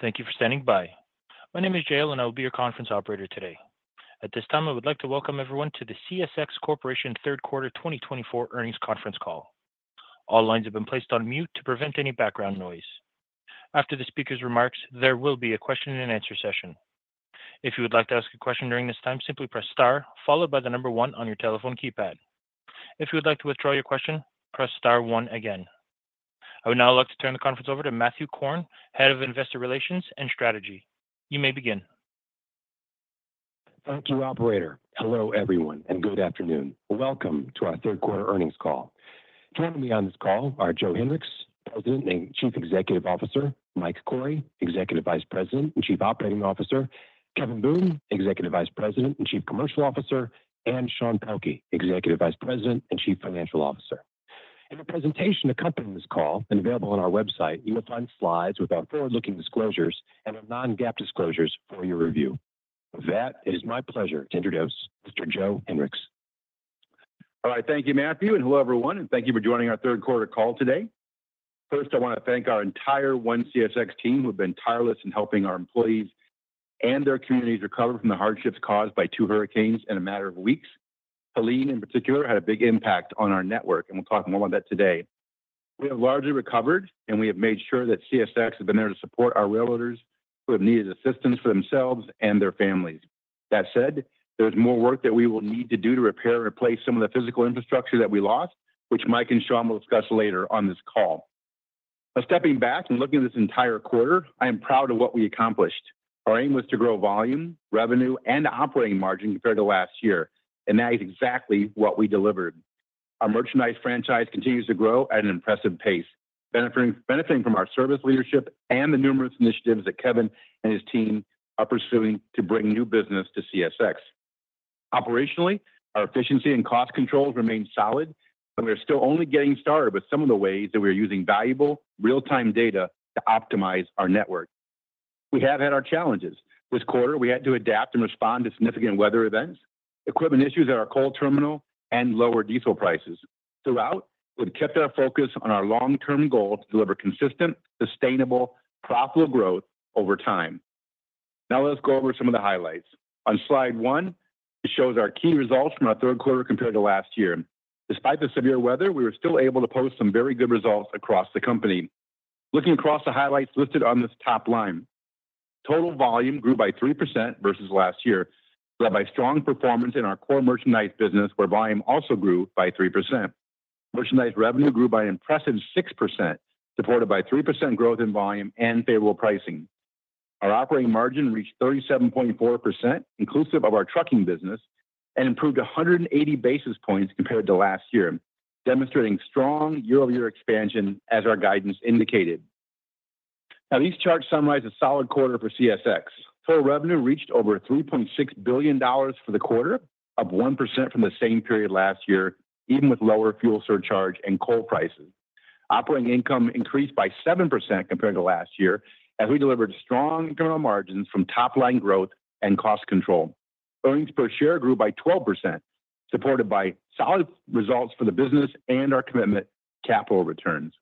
Thank you for standing by. My name is Jael, and I will be your conference operator today. At this time, I would like to welcome everyone to the CSX Corporation Q3 2024 Earnings Conference Call. All lines have been placed on mute to prevent any background noise. After the speaker's remarks, there will be a question-and-answer session. If you would like to ask a question during this time, simply press star followed by the number one on your telephone keypad. If you would like to withdraw your question, press star one again. I would now like to turn the conference over to Matthew Korn, Head of Investor Relations and Strategy. You may begin. Thank you, operator. Hello, everyone, and good afternoon. Welcome to our Q3 earnings call. Joining me on this call are Joe Hinrichs, President and CEO; Mike Cory, EVP and COO; Kevin Boone, EVP and CCO; and Sean Pelkey, EVP and CFO. In the presentation accompanying this call and available on our website, you will find slides with our forward-looking disclosures and our non-GAAP disclosures for your review. It is my pleasure to introduce Mr. Joe Hinrichs. All right. Thank you, Matthew, and hello, everyone, and thank you for joining our Q3 call today. First, I wanna thank our entire ONE CSX team, who have been tireless in helping our employees and their communities recover from the hardships caused by two hurricanes in a matter of weeks. Helene, in particular, had a big impact on our network, and we'll talk more about that today. We have largely recovered, and we have made sure that CSX has been there to support our rail owners who have needed assistance for themselves and their families. That said, there's more work that we will need to do to repair and replace some of the physical infrastructure that we lost, which Mike and Sean will discuss later on this call. Now, stepping back and looking at this entire quarter, I am proud of what we accomplished. Our aim was to grow volume, revenue, and operating margin compared to last year, and that is exactly what we delivered. Our Merchandise franchise continues to grow at an impressive pace, benefiting from our service leadership and the numerous initiatives that Kevin and his team are pursuing to bring new business to CSX. Operationally, our efficiency and cost controls remain solid, but we are still only getting started with some of the ways that we're using valuable real-time data to optimize our network. We have had our challenges. This quarter, we had to adapt and respond to significant weather events, equipment issues at our coal terminal, and lower diesel prices. Throughout, we've kept our focus on our long-term goal to deliver consistent, sustainable, profitable growth over time. Now, let's go over some of the highlights. On Slide one, it shows our key results from our Q3 compared to last year. Despite the severe weather, we were still able to post some very good results across the company. Looking across the highlights listed on this top line, total volume grew by 3% versus last year, led by strong performance in our core Merchandise business, where volume also grew by 3%. Merchandise revenue grew by an impressive 6%, supported by 3% growth in volume and favorable pricing. Our operating margin reached 37.4%, inclusive of our trucking business, and improved 180 basis points compared to last year, demonstrating strong year-over-year expansion as our guidance indicated. Now, these charts summarize a solid quarter for CSX. Total revenue reached over $3.6 billion for the quarter, up 1% from the same period last year, even with lower fuel surcharge and coal prices. Operating income increased by 7% compared to last year, as we delivered strong internal margins from top-line growth and cost control. Earnings per share grew by 12%, supported by solid results for the business and our commitment to capital returns.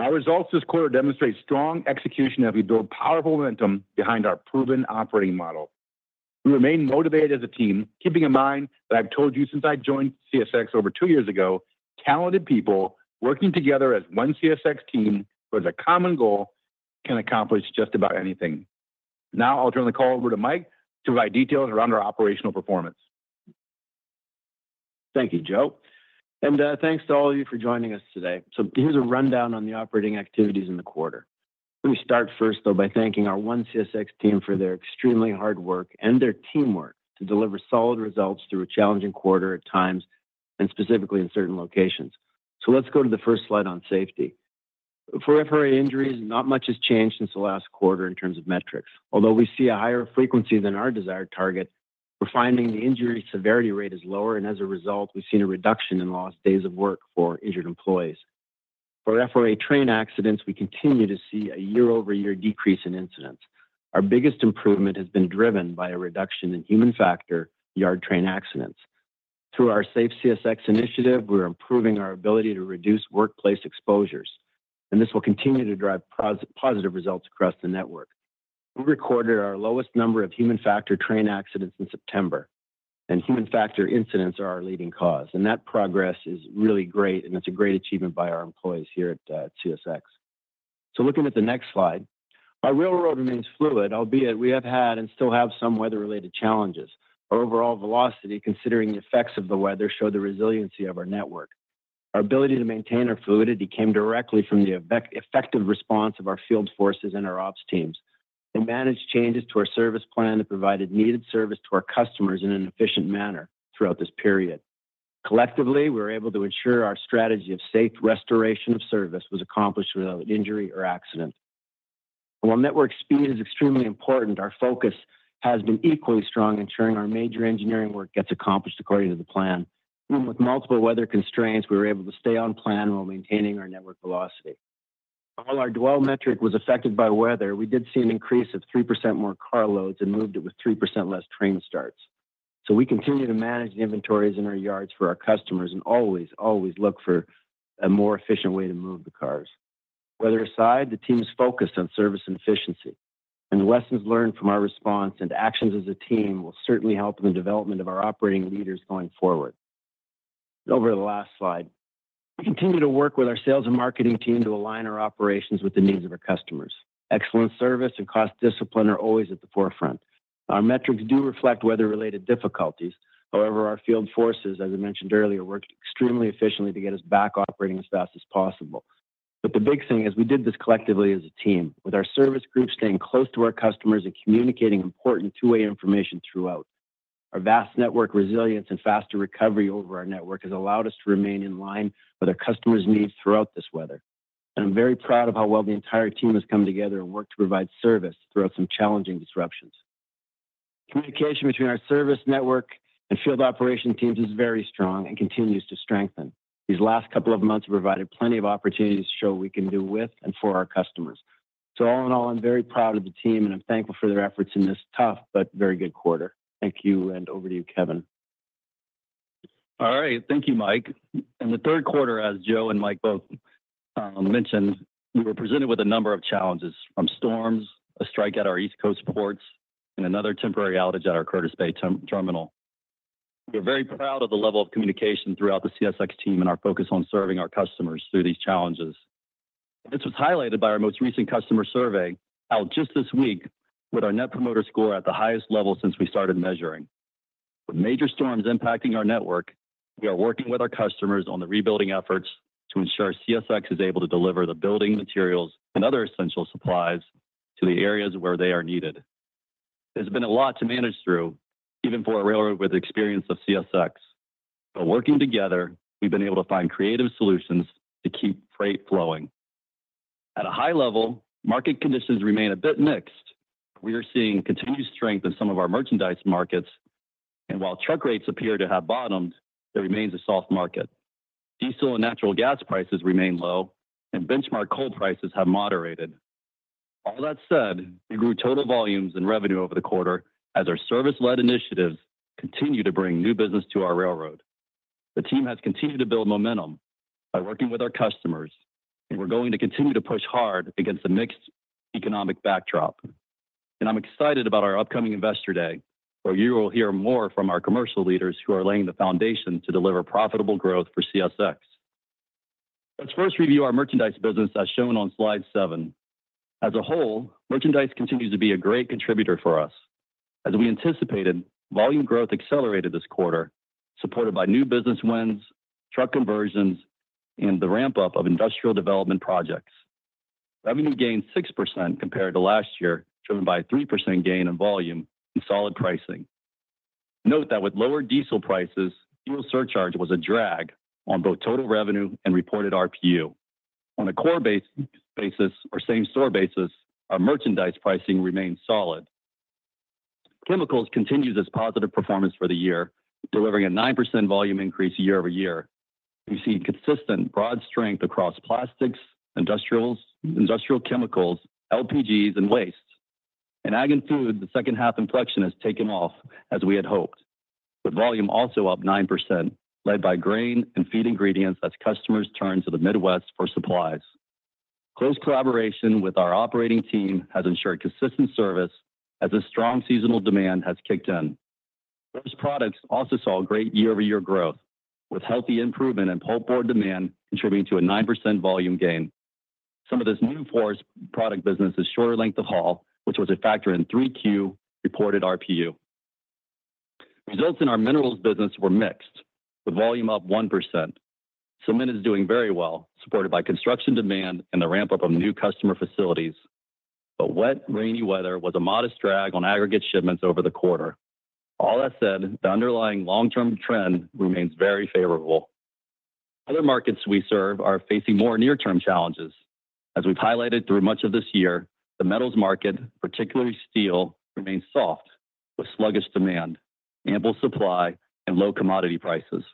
Our results this quarter demonstrate strong execution as we build powerful momentum behind our proven operating model. We remain motivated as a team, keeping in mind that I've told you since I joined CSX over two years ago, talented people working together as ONE CSX team with a common goal can accomplish just about anything. Now, I'll turn the call over to Mike to provide details around our operational performance. Thank you, Joe, and thanks to all of you for joining us today. So here's a rundown on the operating activities in the quarter. Let me start first, though, by thanking our ONE CSX team for their extremely hard work and their teamwork to deliver solid results through a challenging quarter at times and specifically in certain locations. So let's go to the first slide on safety. For employee injuries, not much has changed since the last quarter in terms of metrics. Although we see a higher frequency than our desired target, we're finding the injury severity rate is lower, and as a result, we've seen a reduction in lost days of work for injured employees. For FRA train accidents, we continue to see a year-over-year decrease in incidents. Our biggest improvement has been driven by a reduction in Human Factor yard train accidents. Through our SAFE CSX initiative, we're improving our ability to reduce workplace exposures, and this will continue to drive positive results across the network. We recorded our lowest number of human factor train accidents in September, and human factor incidents are our leading cause, and that progress is really great, and it's a great achievement by our employees here at CSX. So looking at the next slide, our railroad remains fluid, albeit we have had and still have some weather-related challenges. Our overall velocity, considering the effects of the weather, shows the resiliency of our network. Our ability to maintain our fluidity came directly from the effective response of our field forces and our ops teams. We managed changes to our service plan that provided needed service to our customers in an efficient manner throughout this period. Collectively, we were able to ensure our strategy of safe restoration of service was accomplished without injury or accident. While network speed is extremely important, our focus has been equally strong, ensuring our major engineering work gets accomplished according to the plan. With multiple weather constraints, we were able to stay on plan while maintaining our network velocity. While our dwell metric was affected by weather, we did see an increase of 3% more carloads and moved it with 3% less train starts.... So we continue to manage the inventories in our yards for our customers, and always, always look for a more efficient way to move the cars. Weather aside, the team is focused on service and efficiency, and the lessons learned from our response and actions as a team will certainly help in the development of our operating leaders going forward. Over to the last slide. We continue to work with our sales and marketing team to align our operations with the needs of our customers. Excellent service and cost discipline are always at the forefront. Our metrics do reflect weather-related difficulties. However, our field forces, as I mentioned earlier, worked extremely efficiently to get us back operating as fast as possible. But the big thing is we did this collectively as a team, with our service groups staying close to our customers and communicating important two-way information throughout. Our vast network resilience and faster recovery over our network has allowed us to remain in line with our customers' needs throughout this weather, and I'm very proud of how well the entire team has come together and worked to provide service throughout some challenging disruptions. Communication between our service network and field operation teams is very strong and continues to strengthen. These last couple of months have provided plenty of opportunities to show what we can do with and for our customers. So all in all, I'm very proud of the team, and I'm thankful for their efforts in this tough but very good quarter. Thank you, and over to you, Kevin. All right. Thank you, Mike. In the Q3, as Joe and Mike both mentioned, we were presented with a number of challenges from storms, a strike at our East Coast ports, and another temporary outage at our Curtis Bay Terminal. We're very proud of the level of communication throughout the CSX team and our focus on serving our customers through these challenges. This was highlighted by our most recent customer survey, out just this week, with our Net Promoter Score at the highest level since we started measuring. With major storms impacting our network, we are working with our customers on the rebuilding efforts to ensure CSX is able to deliver the building materials and other essential supplies to the areas where they are needed. There's been a lot to manage through, even for a railroad with the experience of CSX. But working together, we've been able to find creative solutions to keep freight flowing. At a high level, market conditions remain a bit mixed. We are seeing continued strength in some of our Merchandise markets, and while truck rates appear to have bottomed, there remains a soft market. Diesel and natural gas prices remain low, and benchmark coal prices have moderated. All that said, we grew total volumes and revenue over the quarter as our service-led initiatives continue to bring new business to our railroad. The team has continued to build momentum by working with our customers, and we're going to continue to push hard against a mixed economic backdrop. I'm excited about our upcoming Investor Day, where you will hear more from our commercial leaders who are laying the foundation to deliver profitable growth for CSX. Let's first review our Merchandise business, as shown on Slide seven. As a whole, Merchandise continues to be a great contributor for us. As we anticipated, volume growth accelerated this quarter, supported by new business wins, truck conversions, and the ramp-up of industrial development projects. Revenue gained 6% compared to last year, driven by a 3% gain in volume and solid pricing. Note that with lower diesel prices, fuel surcharge was a drag on both total revenue and reported RPU. On a core base, basis, or same-store basis, our Merchandise pricing remains solid. Chemicals continues its positive performance for the year, delivering a 9% volume increase year-over-year. We've seen consistent, broad strength across plastics, industrials, industrial chemicals, LPGs, and wastes. In Ag and Food, the second-half inflection has taken off as we had hoped, with volume also up 9%, led by grain and feed ingredients as customers turn to the Midwest for supplies. Close collaboration with our operating team has ensured consistent service as the strong seasonal demand has kicked in. Those products also saw great year-over-year growth, with healthy improvement in pulpboard demand contributing to a 9% volume gain. Some of this new forest product business is shorter length of haul, which was a factor in 3Q reported RPU. Results in our Minerals business were mixed, with volume up 1%. Cement is doing very well, supported by construction demand and the ramp-up of new customer facilities. But wet, rainy weather was a modest drag on aggregate shipments over the quarter. All that said, the underlying long-term trend remains very favorable. Other markets we serve are facing more near-term challenges. As we've highlighted through much of this year, the metals market, particularly steel, remains soft, with sluggish demand, ample supply, and low commodity prices.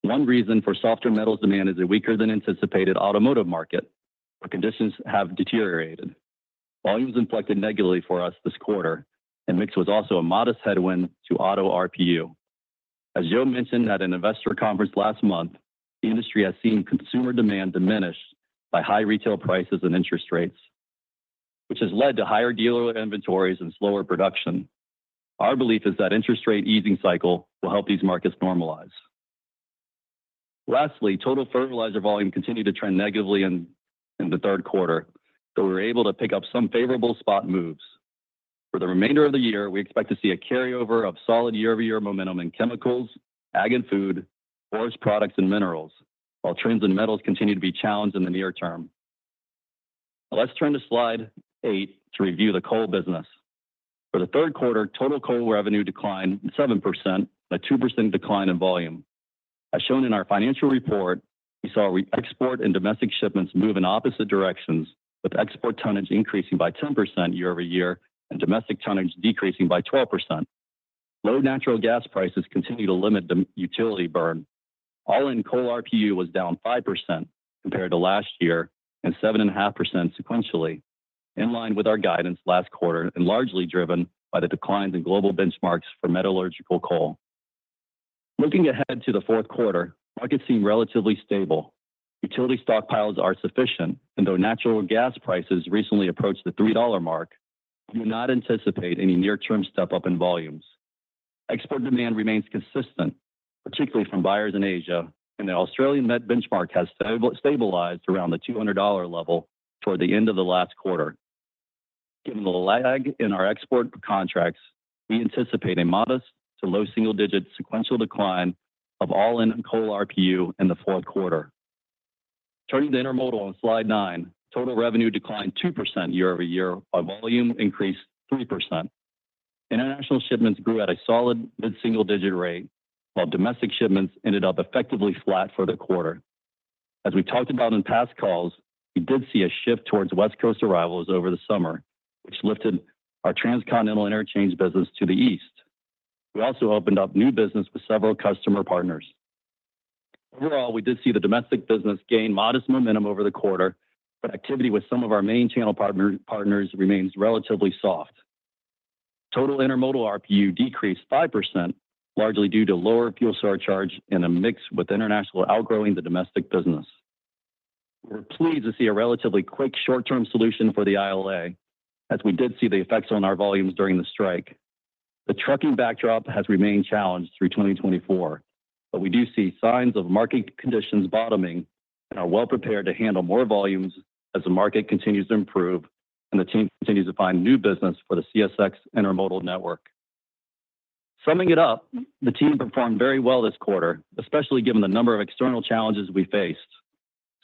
One reason for softer metals demand is a weaker than anticipated automotive market, where conditions have deteriorated. Volumes inflected negatively for us this quarter, and mix was also a modest headwind to auto RPU. As Joe mentioned at an investor conference last month, the industry has seen consumer demand diminish by high retail prices and interest rates, which has led to higher dealer inventories and slower production. Our belief is that interest rate easing cycle will help these markets normalize. Lastly, total fertilizer volume continued to trend negatively in the Q3, though we were able to pick up some favorable spot moves. For the remainder of the year, we expect to see a carryover of solid year-over-year momentum in Chemicals, Ag and Food, Forest Products, and Minerals, while trends in Metals continue to be challenged in the near term. Let's turn to Slide 8 to review the Coal business. For the Q3, total Coal revenue declined 7%, a 2% decline in volume. As shown in our financial report, we saw export and domestic shipments move in opposite directions, with export tonnage increasing by 10% year-over-year and domestic tonnage decreasing by 12%. Low natural gas prices continue to limit the utility burn. All-in Coal RPU was down 5% compared to last year, and 7.5% sequentially, in line with our guidance last quarter, and largely driven by the declines in global benchmarks for metallurgical coal. Looking ahead to the Q4, markets seem relatively stable. Utility stockpiles are sufficient, and though natural gas prices recently approached the $3 mark, we do not anticipate any near-term step-up in volumes. Export demand remains consistent, particularly from buyers in Asia, and the Australian met benchmark has stabilized around the $200 level toward the end of the last quarter. Given the lag in our export contracts, we anticipate a modest-to-low single-digit sequential decline of all-in coal RPU in the Q4. Turning to Intermodal on Slide 9, total revenue declined 2% year-over-year, while volume increased 3%. International shipments grew at a solid mid-single-digit rate, while domestic shipments ended up effectively flat for the quarter. As we talked about in past calls, we did see a shift towards West Coast arrivals over the summer, which lifted our transcontinental interchange business to the east. We also opened up new business with several customer partners. Overall, we did see the Domestic business gain modest momentum over the quarter, but activity with some of our main channel partners remains relatively soft. Total Intermodal RPU decreased 5%, largely due to lower fuel surcharge and a mix with international outgrowing the domestic business. We're pleased to see a relatively quick short-term solution for the ILA, as we did see the effects on our volumes during the strike. The trucking backdrop has remained challenged through twenty twenty-four, but we do see signs of market conditions bottoming, and are well prepared to handle more volumes as the market continues to improve and the team continues to find new business for the CSX Intermodal network. Summing it up, the team performed very well this quarter, especially given the number of external challenges we faced.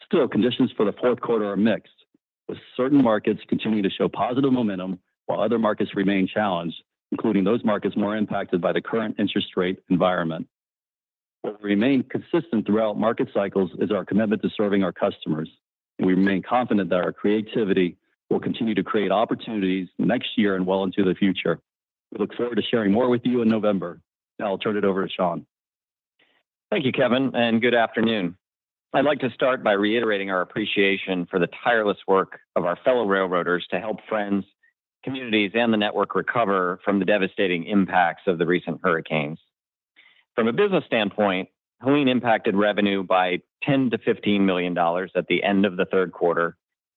Still, conditions for the Q4 are mixed, with certain markets continuing to show positive momentum while other markets remain challenged, including those markets more impacted by the current interest rate environment. What will remain consistent throughout market cycles is our commitment to serving our customers, and we remain confident that our creativity will continue to create opportunities next year and well into the future. We look forward to sharing more with you in November. Now I'll turn it over to Sean. Thank you, Kevin, and good afternoon. I'd like to start by reiterating our appreciation for the tireless work of our fellow railroaders to help friends, communities, and the network recover from the devastating impacts of the recent hurricanes. From a business standpoint, Helene impacted revenue by $10 million-$15 million at the end of the Q3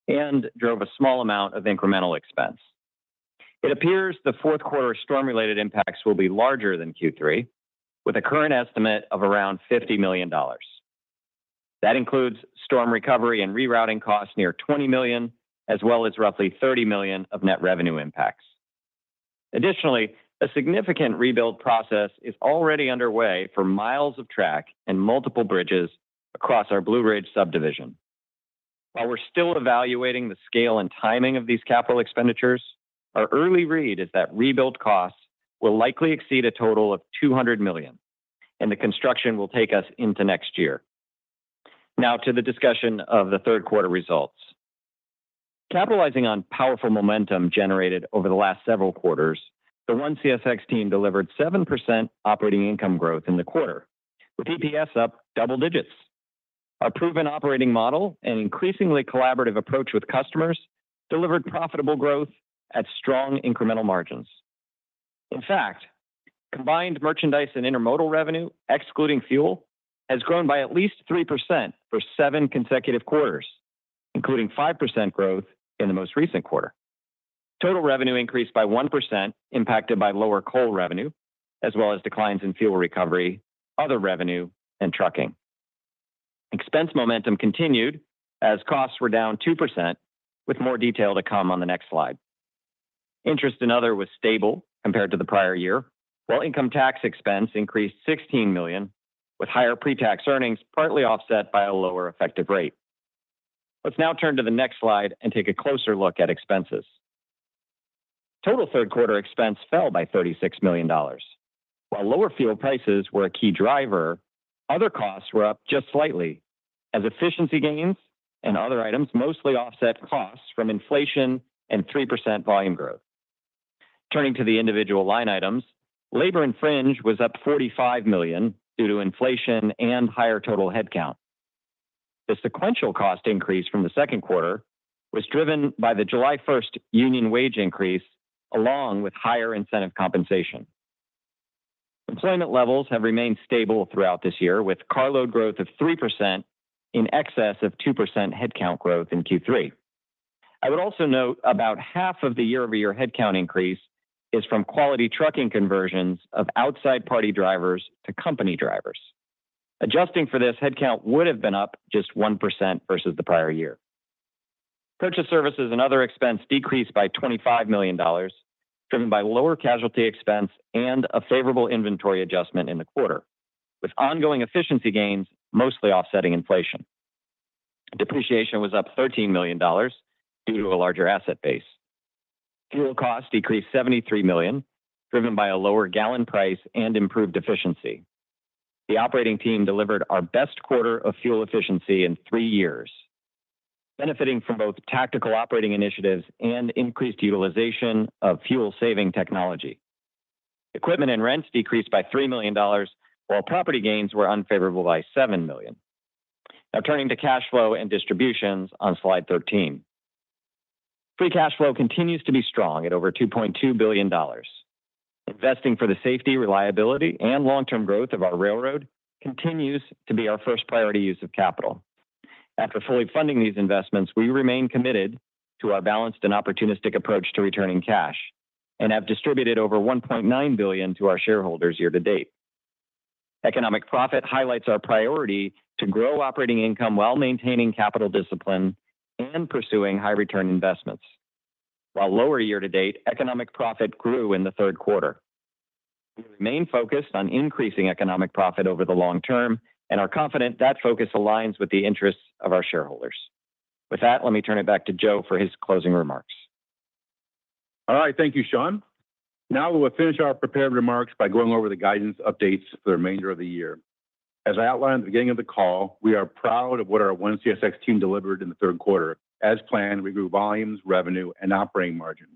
and drove a small amount of incremental expense. It appears the Q4 storm-related impacts will be larger than Q3, with a current estimate of around $50 million. That includes storm recovery and rerouting costs near $20 million, as well as roughly $30 million of net revenue impacts. Additionally, a significant rebuild process is already underway for miles of track and multiple bridges across our Blue Ridge Subdivision. While we're still evaluating the scale and timing of these capital expenditures, our early read is that rebuild costs will likely exceed a total of $200 million, and the construction will take us into next year. Now to the discussion of the Q3 results. Capitalizing on powerful momentum generated over the last several quarters, the ONE CSX team delivered 7% operating income growth in the quarter, with EPS up double-digits. Our proven operating model and increasingly collaborative approach with customers delivered profitable growth at strong incremental margins. In fact, combined Merchandise and Intermodal revenue, excluding fuel, has grown by at least 3% for seven consecutive quarters, including 5% growth in the most recent quarter. Total revenue increased by 1%, impacted by lower coal revenue, as well as declines in fuel recovery, other revenue, and trucking. Expense momentum continued as costs were down 2%, with more detail to come on the next slide. Interest and other was stable compared to the prior year, while income tax expense increased $16 million, with higher pre-tax earnings partly offset by a lower effective rate. Let's now turn to the next slide and take a closer look at expenses. Total Q3 expense fell by $36 million. While lower fuel prices were a key driver, other costs were up just slightly, as efficiency gains and other items mostly offset costs from inflation and 3% volume growth. Turning to the individual line items, labor and fringe was up $45 million due to inflation and higher total headcount. The sequential cost increase from the second quarter was driven by the July 1st union wage increase, along with higher incentive compensation. Employment levels have remained stable throughout this year, with carload growth of 3% in excess of 2% headcount growth in Q3. I would also note about half of the year-over-year headcount increase is from Quality trucking conversions of outside party drivers to company drivers. Adjusting for this, headcount would have been up just 1% versus the prior year. Purchase services and other expense decreased by $25 million, driven by lower casualty expense and a favorable inventory adjustment in the quarter, with ongoing efficiency gains mostly offsetting inflation. Depreciation was up $13 million due to a larger asset base. Fuel costs decreased $73 million, driven by a lower gallon price and improved efficiency. The operating team delivered our best quarter of fuel efficiency in three years, benefiting from both tactical operating initiatives and increased utilization of fuel-saving technology. Equipment and rents decreased by $3 million, while property gains were unfavorable by $7 million. Now turning to cash flow and distributions on Slide 13. Free cash flow continues to be strong at over $2.2 billion. Investing for the safety, reliability, and long-term growth of our railroad continues to be our first priority use of capital. After fully funding these investments, we remain committed to our balanced and opportunistic approach to returning cash and have distributed over $1.9 billion to our shareholders year-to-date. Economic profit highlights our priority to grow operating income while maintaining capital discipline and pursuing high-return investments. While lower year-to-date, economic profit grew in the Q3. We remain focused on increasing economic profit over the long term and are confident that focus aligns with the interests of our shareholders. With that, let me turn it back to Joe for his closing remarks. All right. Thank you, Sean. Now we will finish our prepared remarks by going over the guidance updates for the remainder of the year. As I outlined at the beginning of the call, we are proud of what our ONE CSX team delivered in the Q3. As planned, we grew volumes, revenue, and operating margin.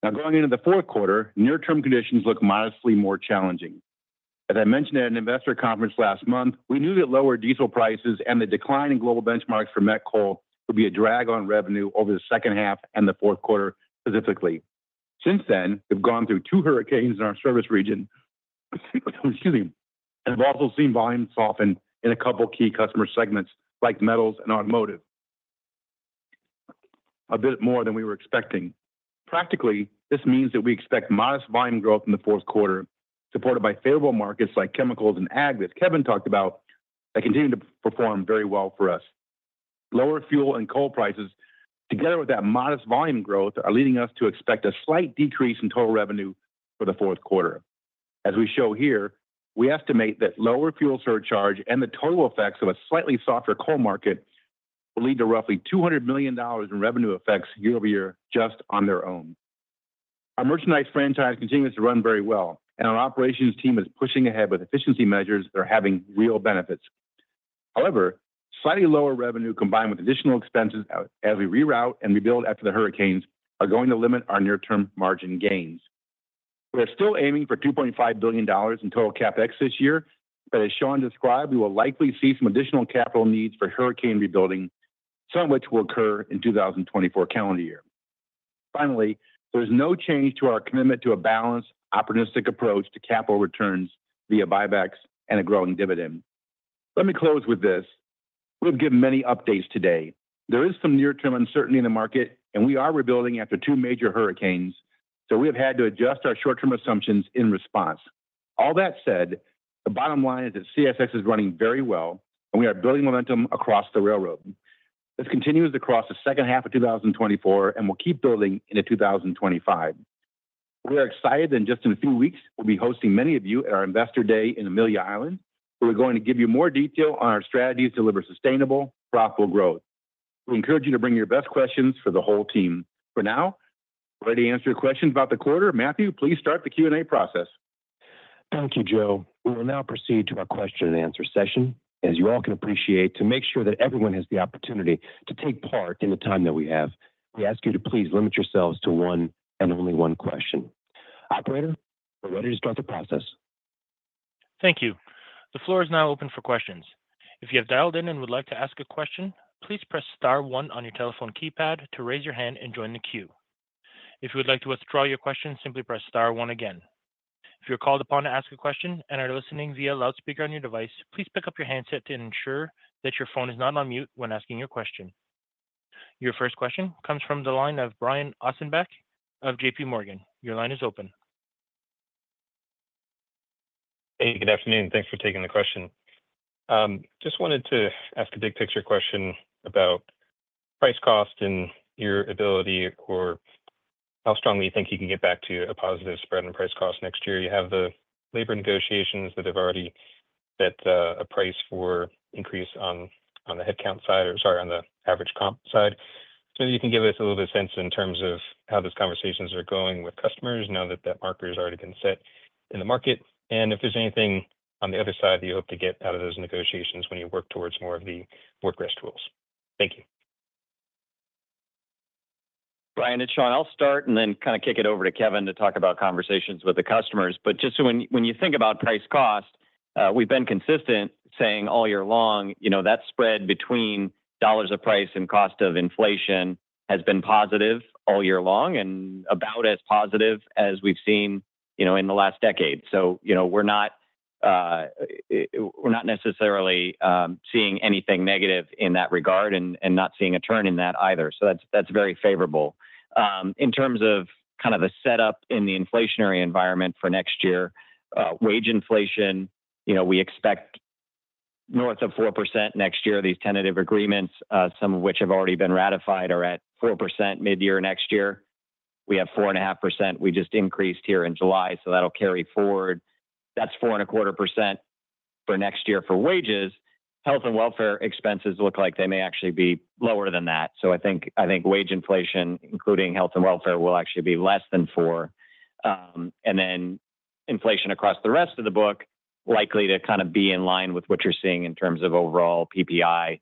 Now, going into the Q4, near-term conditions look modestly more challenging. As I mentioned at an investor conference last month, we knew that lower diesel prices and the decline in global benchmarks for met coal would be a drag on revenue over the second half and the Q4 specifically. Since then, we've gone through two hurricanes in our service region, excuse me, and have also seen volumes soften in a couple key customer segments like metals and automotive, a bit more than we were expecting. Practically, this means that we expect modest volume growth in the Q4, supported by favorable markets like chemicals and ag, that Kevin talked about, that continue to perform very well for us. Lower fuel and coal prices, together with that modest volume growth, are leading us to expect a slight decrease in total revenue for the Q4. As we show here, we estimate that lower fuel surcharge and the total effects of a slightly softer coal market will lead to roughly $200 million in revenue effects year-over-year, just on their own. Our Merchandise franchise continues to run very well, and our operations team is pushing ahead with efficiency measures that are having real benefits. However, slightly lower revenue, combined with additional expenses out as we reroute and rebuild after the hurricanes, are going to limit our near-term margin gains. We're still aiming for $2.5 billion in total CapEx this year, but as Sean described, we will likely see some additional capital needs for hurricane rebuilding, some of which will occur in 2024 calendar year. Finally, there's no change to our commitment to a balanced, opportunistic approach to capital returns via buybacks and a growing dividend. Let me close with this: We've given many updates today. There is some near-term uncertainty in the market, and we are rebuilding after two major hurricanes, so we have had to adjust our short-term assumptions in response. All that said, the bottom line is that CSX is running very well, and we are building momentum across the railroad. This continues across the second half of 2024, and we'll keep building into 2025. We are excited that in just a few weeks, we'll be hosting many of you at our Investor Day in Amelia Island, where we're going to give you more detail on our strategies to deliver sustainable, profitable growth. We encourage you to bring your best questions for the whole team. For now, we're ready to answer your questions about the quarter. Matthew, please start the Q&A process. Thank you, Joe. We will now proceed to our question-and-answer session. As you all can appreciate, to make sure that everyone has the opportunity to take part in the time that we have, we ask you to please limit yourselves to one and only one question. Operator, we're ready to start the process. Thank you. The floor is now open for questions. If you have dialed in and would like to ask a question, please press star one on your telephone keypad to raise your hand and join the queue. If you would like to withdraw your question, simply press star one again. If you're called upon to ask a question and are listening via loudspeaker on your device, please pick up your handset to ensure that your phone is not on mute when asking your question. Your first question comes from the line of Brian Ossenbeck of JPMorgan. Your line is open. Hey, good afternoon, and thanks for taking the question. Just wanted to ask a big-picture question about price cost and your ability, or how strongly you think you can get back to a positive spread on price cost next year. You have the labor negotiations that have already set, a price for increase on, on the headcount side... or sorry, on the average comp side. So maybe you can give us a little bit of sense in terms of how those conversations are going with customers now that that marker has already been set in the market, and if there's anything on the other side that you hope to get out of those negotiations when you work towards more of the work rest rules. Thank you. Brian, it's Sean. I'll start and then kind of kick it over to Kevin to talk about conversations with the customers. But just so, when you think about price cost, we've been consistent saying all year long, you know, that spread between dollars of price and cost of inflation has been positive all year long and about as positive as we've seen, you know, in the last decade. So, you know, we're not necessarily seeing anything negative in that regard and not seeing a turn in that either. So that's very favorable. In terms of kind of the setup in the inflationary environment for next year, wage inflation, you know, we expect north of 4% next year. These tentative agreements, some of which have already been ratified, are at 4% midyear next year. We have 4.5% we just increased here in July, so that'll carry forward. That's 4.25% for next year for wages. Health and welfare expenses look like they may actually be lower than that. So I think, I think wage inflation, including health and welfare, will actually be less than 4%. Then inflation across the rest of the book, likely to kind of be in line with what you're seeing in terms of overall PPI,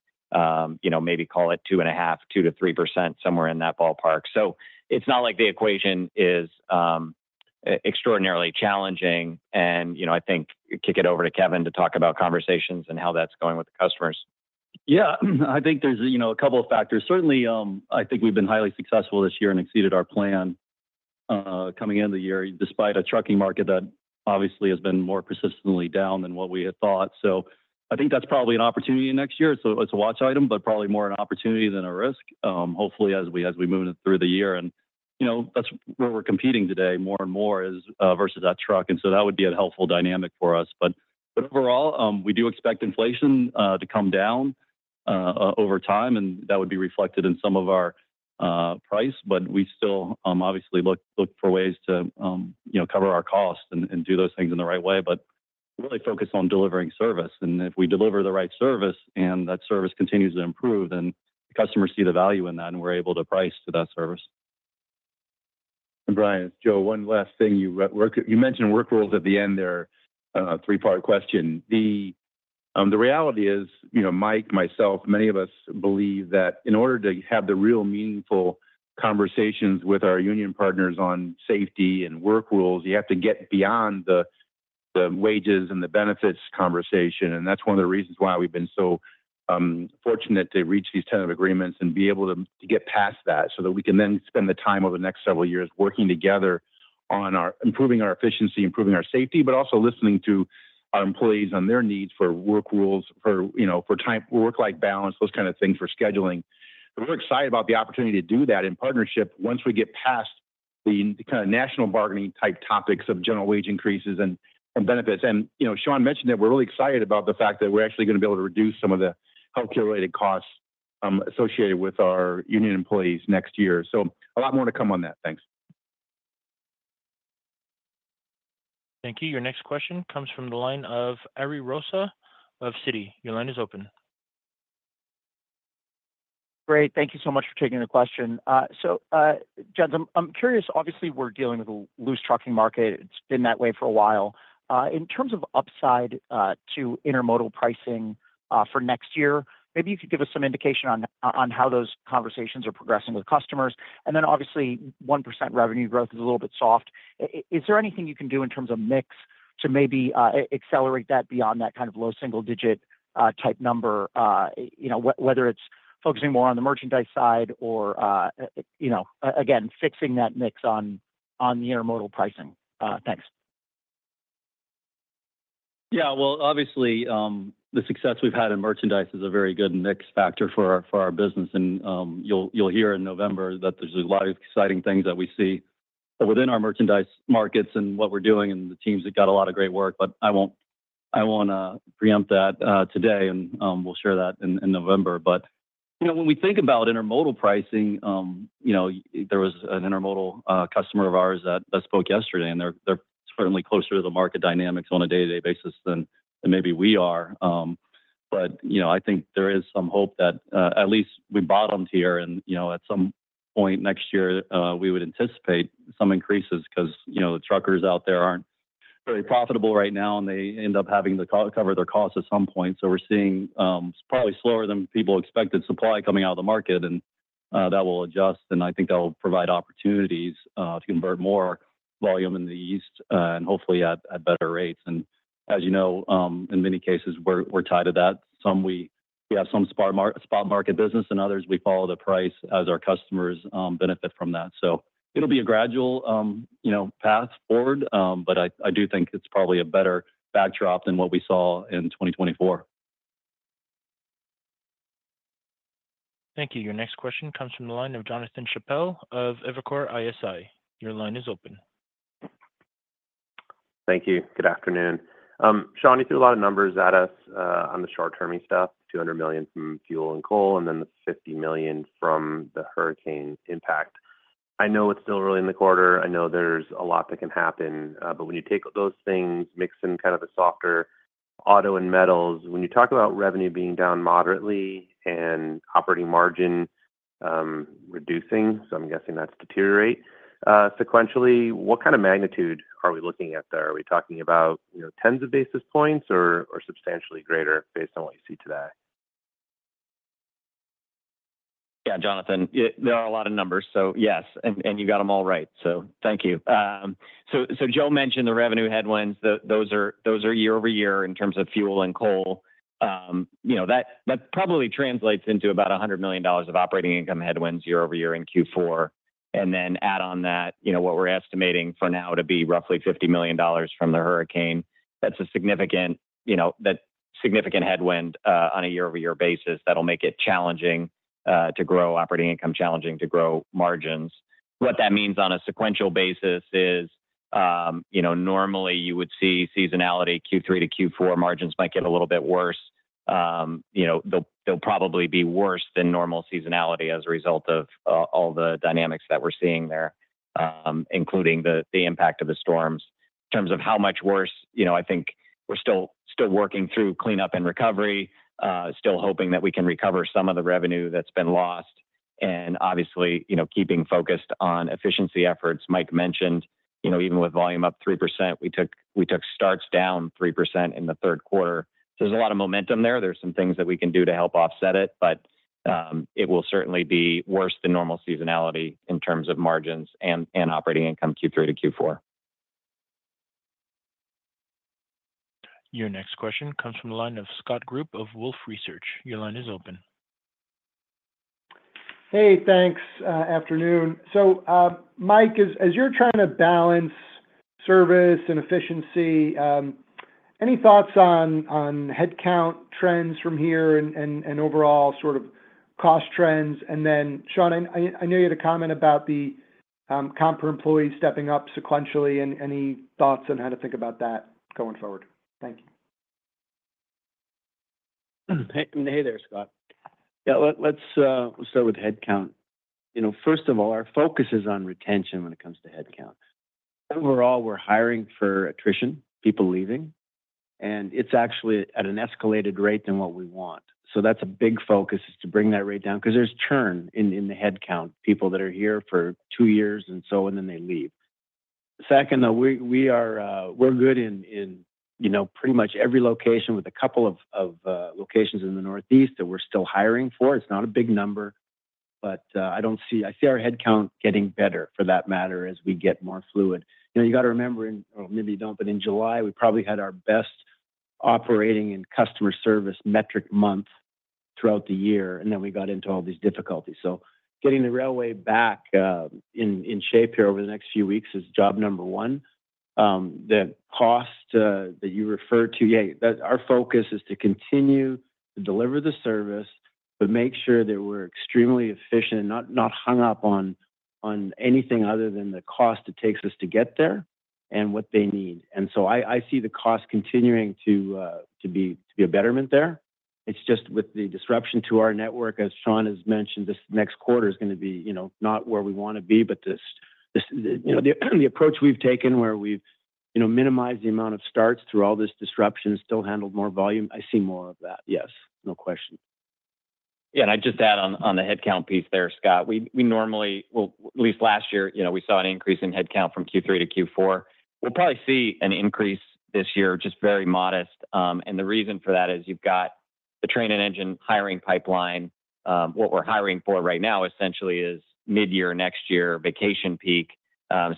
you know, maybe call it 2.5%-3%, somewhere in that ballpark. So it's not like the equation is extraordinarily challenging and, you know, I think, kick it over to Kevin to talk about conversations and how that's going with the customers. Yeah, I think there's, you know, a couple of factors. Certainly, I think we've been highly successful this year and exceeded our plan, coming into the year, despite a trucking market that obviously has been more persistently down than what we had thought. So I think that's probably an opportunity next year. So it's a watch item, but probably more an opportunity than a risk, hopefully, as we move through the year and, you know, that's where we're competing today, more and more is, versus that truck, and so that would be a helpful dynamic for us. But overall, we do expect inflation to come down over time, and that would be reflected in some of our price, but we still obviously look for ways to you know cover our costs and do those things in the right way, but really focus on delivering service. And if we deliver the right service, and that service continues to improve, then the customers see the value in that, and we're able to price to that service. And Brian, it's Joe, one last thing. You mentioned work rules at the end there, a three-part question. The reality is, you know, Mike, myself, many of us believe that in order to have the real meaningful conversations with our union partners on safety and work rules, you have to get beyond the wages and the benefits conversation, and that's one of the reasons why we've been so fortunate to reach these tentative agreements and be able to get past that, so that we can then spend the time over the next several years working together on improving our efficiency, improving our safety, but also listening to our employees on their needs for work rules, for, you know, for time, work-life balance, those kind of things for scheduling. We're excited about the opportunity to do that in partnership, once we get past the kind of national bargaining type topics of general wage increases and benefits. You know, Sean mentioned that we're really excited about the fact that we're actually gonna be able to reduce some of the healthcare-related costs associated with our union employees next year, so a lot more to come on that. Thanks. Thank you. Your next question comes from the line of Ari Rosa of Citi. Your line is open. Great. Thank you so much for taking the question. So, gents, I'm curious, obviously, we're dealing with a loose trucking market. It's been that way for a while. In terms of upside to intermodal pricing for next year, maybe you could give us some indication on how those conversations are progressing with customers. And then, obviously, 1% revenue growth is a little bit soft. Is there anything you can do in terms of mix to maybe accelerate that beyond that kind of low single-digit type number, you know, whether it's focusing more on the Merchandise side or, you know, again, fixing that mix on the intermodal pricing? Thanks. Yeah, well, obviously, the success we've had in Merchandise is a very good mix factor for our business, and you'll hear in November that there's a lot of exciting things that we see within our Merchandise markets and what we're doing, and the teams have got a lot of great work. But I won't. I don't wanna preempt that, today, and we'll share that in November. But, you know, when we think about intermodal pricing, you know, there was an intermodal customer of ours that spoke yesterday, and they're certainly closer to the market dynamics on a day-to-day basis than maybe we are. But, you know, I think there is some hope that at least we bottomed here, and, you know, at some point next year we would anticipate some increases 'cause, you know, the truckers out there aren't very profitable right now, and they end up having to cover their costs at some point. So we're seeing probably slower than people expected, supply coming out of the market, and that will adjust, and I think that will provide opportunities to convert more volume in the East and hopefully at better rates. And as you know, in many cases, we're tied to that. Some we have some spot market business, and others we follow the price as our customers benefit from that. So it'll be a gradual, you know, path forward, but I do think it's probably a better backdrop than what we saw in 2024. Thank you. Your next question comes from the line of Jonathan Chappell of Evercore ISI. Your line is open. Thank you. Good afternoon. Sean, you threw a lot of numbers at us on the short-terming stuff, $200 million from fuel and coal, and then the $50 million from the hurricane impact. I know it's still early in the quarter. I know there's a lot that can happen, but when you take those things, mix in kind of the softer auto and metals, when you talk about revenue being down moderately and operating margin reducing, so I'm guessing that's deteriorate sequentially, what kind of magnitude are we looking at there? Are we talking about, you know, tens of basis points or substantially greater based on what you see today? Yeah, Jonathan, there are a lot of numbers, so yes, and you got them all right. So thank you. So Joe mentioned the revenue headwinds. Those are year-over-year in terms of fuel and coal. You know, that probably translates into about $100 million of operating income headwinds year-over-year in Q4, and then add on that, you know, what we're estimating for now to be roughly $50 million from the hurricane. That's a significant headwind on a year-over-year basis that'll make it challenging to grow operating income, challenging to grow margins. What that means on a sequential basis is, you know, normally you would see seasonality, Q3 to Q4 margins might get a little bit worse. You know, they'll probably be worse than normal seasonality as a result of all the dynamics that we're seeing there, including the impact of the storms. In terms of how much worse, you know, I think we're still working through cleanup and recovery, still hoping that we can recover some of the revenue that's been lost. Obviously, you know, keeping focused on efficiency efforts. Mike mentioned, you know, even with volume up 3%, we took starts down 3% in the Q3. So there's a lot of momentum there. There's some things that we can do to help offset it, but it will certainly be worse than normal seasonality in terms of margins and operating income Q3 to Q4. Your next question comes from the line of Scott Group of Wolfe Research. Your line is open. Hey, thanks. Afternoon. So, Mike, as you're trying to balance service and efficiency, any thoughts on headcount trends from here and overall sort of cost trends? And then, Sean, I know you had a comment about the comp per employee stepping up sequentially. Any thoughts on how to think about that going forward? Thank you. Hey there, Scott. Yeah. Let's we'll start with headcount. You know, first of all, our focus is on retention when it comes to headcount. Overall, we're hiring for attrition, people leaving, and it's actually at an escalated rate than what we want. So that's a big focus, is to bring that rate down, 'cause there's churn in the headcount, people that are here for two years and so, and then they leave. Second, though, we are, we're good in, you know, pretty much every location with a couple of locations in the Northeast that we're still hiring for. It's not a big number, but, I don't see. I see our headcount getting better for that matter, as we get more fluid. You know, you gotta remember, and or maybe you don't, but in July, we probably had our best operating and customer service metric month throughout the year, and then we got into all these difficulties. So getting the railway back in shape here over the next few weeks is job number one. The cost that you referred to, yeah, that our focus is to continue to deliver the service, but make sure that we're extremely efficient and not hung up on anything other than the cost it takes us to get there and what they need. And so I see the cost continuing to be a betterment there. It's just with the disruption to our network, as Sean has mentioned, this next quarter is gonna be, you know, not where we wanna be, but this you know the approach we've taken where we've, you know, minimized the amount of starts through all this disruption, still handled more volume. I see more of that. Yes, no question. Yeah, and I'd just add on, on the headcount piece there, Scott, we normally, well, at least last year, you know, we saw an increase in headcount from Q3 to Q4. We'll probably see an increase this year, just very modest. And the reason for that is you've got the train and engine hiring pipeline. What we're hiring for right now, essentially, is midyear next year, vacation peak.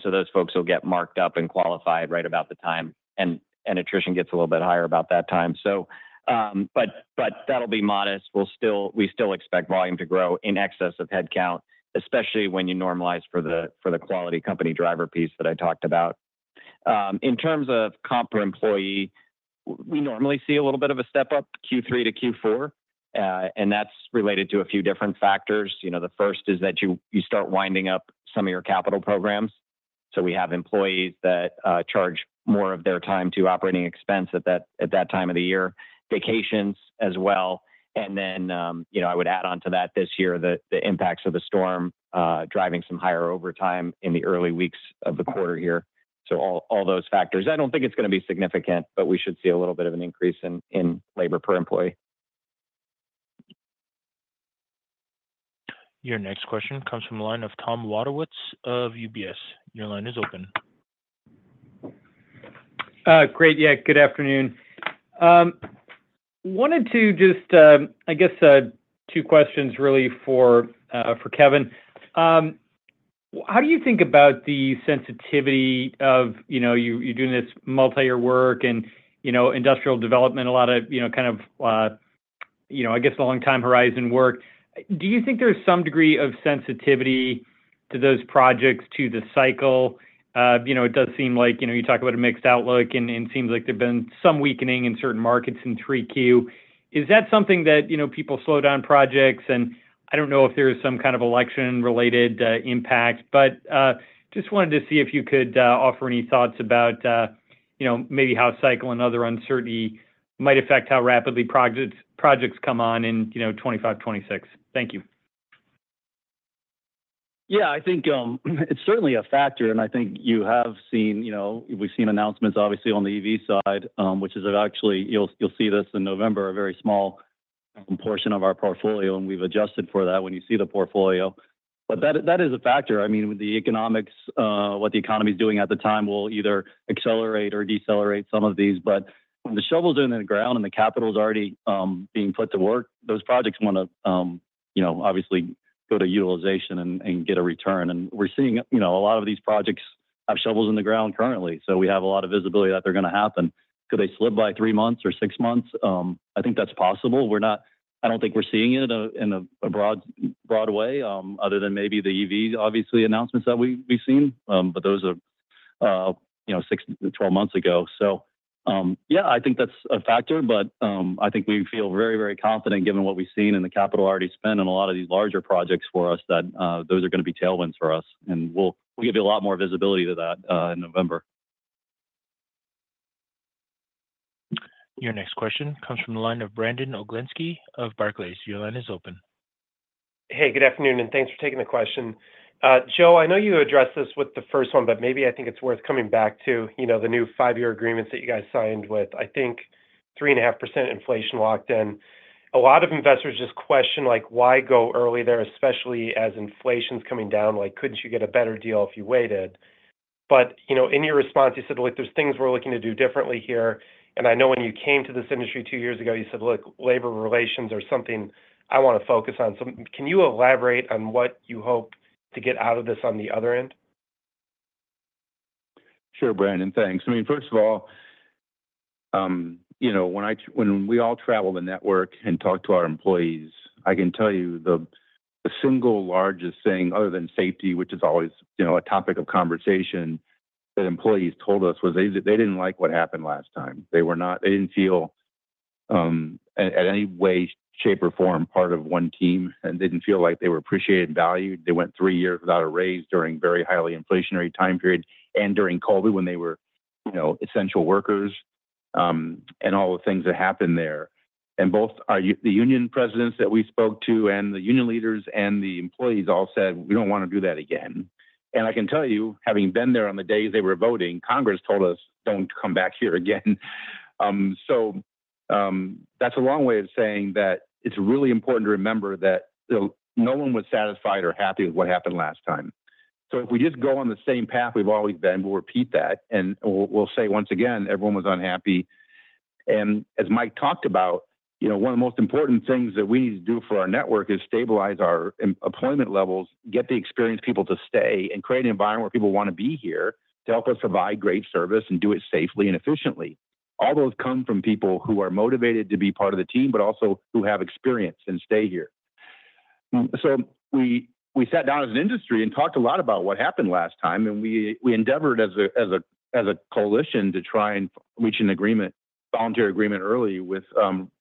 So those folks will get marked up and qualified right about the time, and attrition gets a little bit higher about that time. So, but that'll be modest. We'll still expect volume to grow in excess of headcount, especially when you normalize for the, for the quality company driver piece that I talked about. In terms of comp per employee, we normally see a little bit of a step-up Q3 to Q4, and that's related to a few different factors. You know, the first is that you start winding up some of your capital programs, so we have employees that charge more of their time to operating expense at that time of the year, vacations as well. Then, you know, I would add on to that this year, the impacts of the storm driving some higher overtime in the early weeks of the quarter here. So all those factors. I don't think it's gonna be significant, but we should see a little bit of an increase in labor per employee. Your next question comes from the line of Tom Wadewitz of UBS. Your line is open. Great. Yeah, good afternoon. Wanted to just, I guess, two questions really for Kevin. How do you think about the sensitivity of, you know, you doing this multi-year work and, you know, industrial development, a lot of, you know, kind of, you know, I guess long time horizon work. Do you think there's some degree of sensitivity to those projects, to the cycle? You know, it does seem like, you know, you talk about a mixed outlook and it seems like there've been some weakening in certain markets in 3Q. Is that something that, you know, people slow down projects? I don't know if there is some kind of election-related impact, but just wanted to see if you could offer any thoughts about, you know, maybe how cycle and other uncertainty might affect how rapidly projects come on in, you know, 2025, 2026. Thank you. Yeah, I think it's certainly a factor, and I think you have seen, you know, we've seen announcements obviously on the EV side, which is actually, you'll, you'll see this in November, a very small portion of our portfolio, and we've adjusted for that when you see the portfolio. But that is, that is a factor. I mean, with the economics, what the economy is doing at the time will either accelerate or decelerate some of these. But when the shovel's in the ground and the capital's already being put to work, those projects want to, you know, obviously go to utilization and, and get a return. And we're seeing, you know, a lot of these projects have shovels in the ground currently, so we have a lot of visibility that they're gonna happen. Could they slip by three months or six months? I think that's possible. We're not. I don't think we're seeing it in a broad way, other than maybe the EV, obviously, announcements that we've seen. But those are, you know, six to 12 months ago. So, yeah, I think that's a factor, but, I think we feel very, very confident, given what we've seen and the capital already spent on a lot of these larger projects for us, that those are gonna be tailwinds for us, and we'll give you a lot more visibility to that, in November. Your next question comes from the line of Brandon Oglenski of Barclays. Your line is open. Hey, good afternoon, and thanks for taking the question. Joe, I know you addressed this with the first one, but maybe I think it's worth coming back to, you know, the new five-year agreements that you guys signed with, I think, 3.5% inflation locked in. A lot of investors just question, like, why go early there, especially as inflation's coming down. Like, couldn't you get a better deal if you waited? But, you know, in your response, you said, like, there's things we're looking to do differently here. And I know when you came to this industry two years ago, you said, "Look, labor relations are something I wanna focus on." So can you elaborate on what you hope to get out of this on the other end? Sure, Brandon. Thanks. I mean, first of all, you know when, we all travel the network and talk to our employees, I can tell you the single largest thing other than safety, which is always, you know, a topic of conversation, that employees told us was they didn't like what happened last time. They didn't feel in any way, shape, or form part of one team and didn't feel like they were appreciated and valued. They went three years without a raise during very highly inflationary time periods and during COVID, when they were, you know, essential workers, and all the things that happened there. Both our union presidents that we spoke to, and the union leaders, and the employees all said, "We don't wanna do that again." I can tell you, having been there on the day they were voting, Congress told us, "Don't come back here again." That's a long way of saying that it's really important to remember that, you know, no one was satisfied or happy with what happened last time. If we just go on the same path we've always been, we'll repeat that, and we'll say, once again, everyone was unhappy. And as Mike talked about, you know, one of the most important things that we need to do for our network is stabilize our employment levels, get the experienced people to stay, and create an environment where people wanna be here to help us provide great service and do it safely and efficiently. All those come from people who are motivated to be part of the team, but also who have experience and stay here. So we sat down as an industry and talked a lot about what happened last time, and we endeavored as a coalition to try and reach an agreement, voluntary agreement early with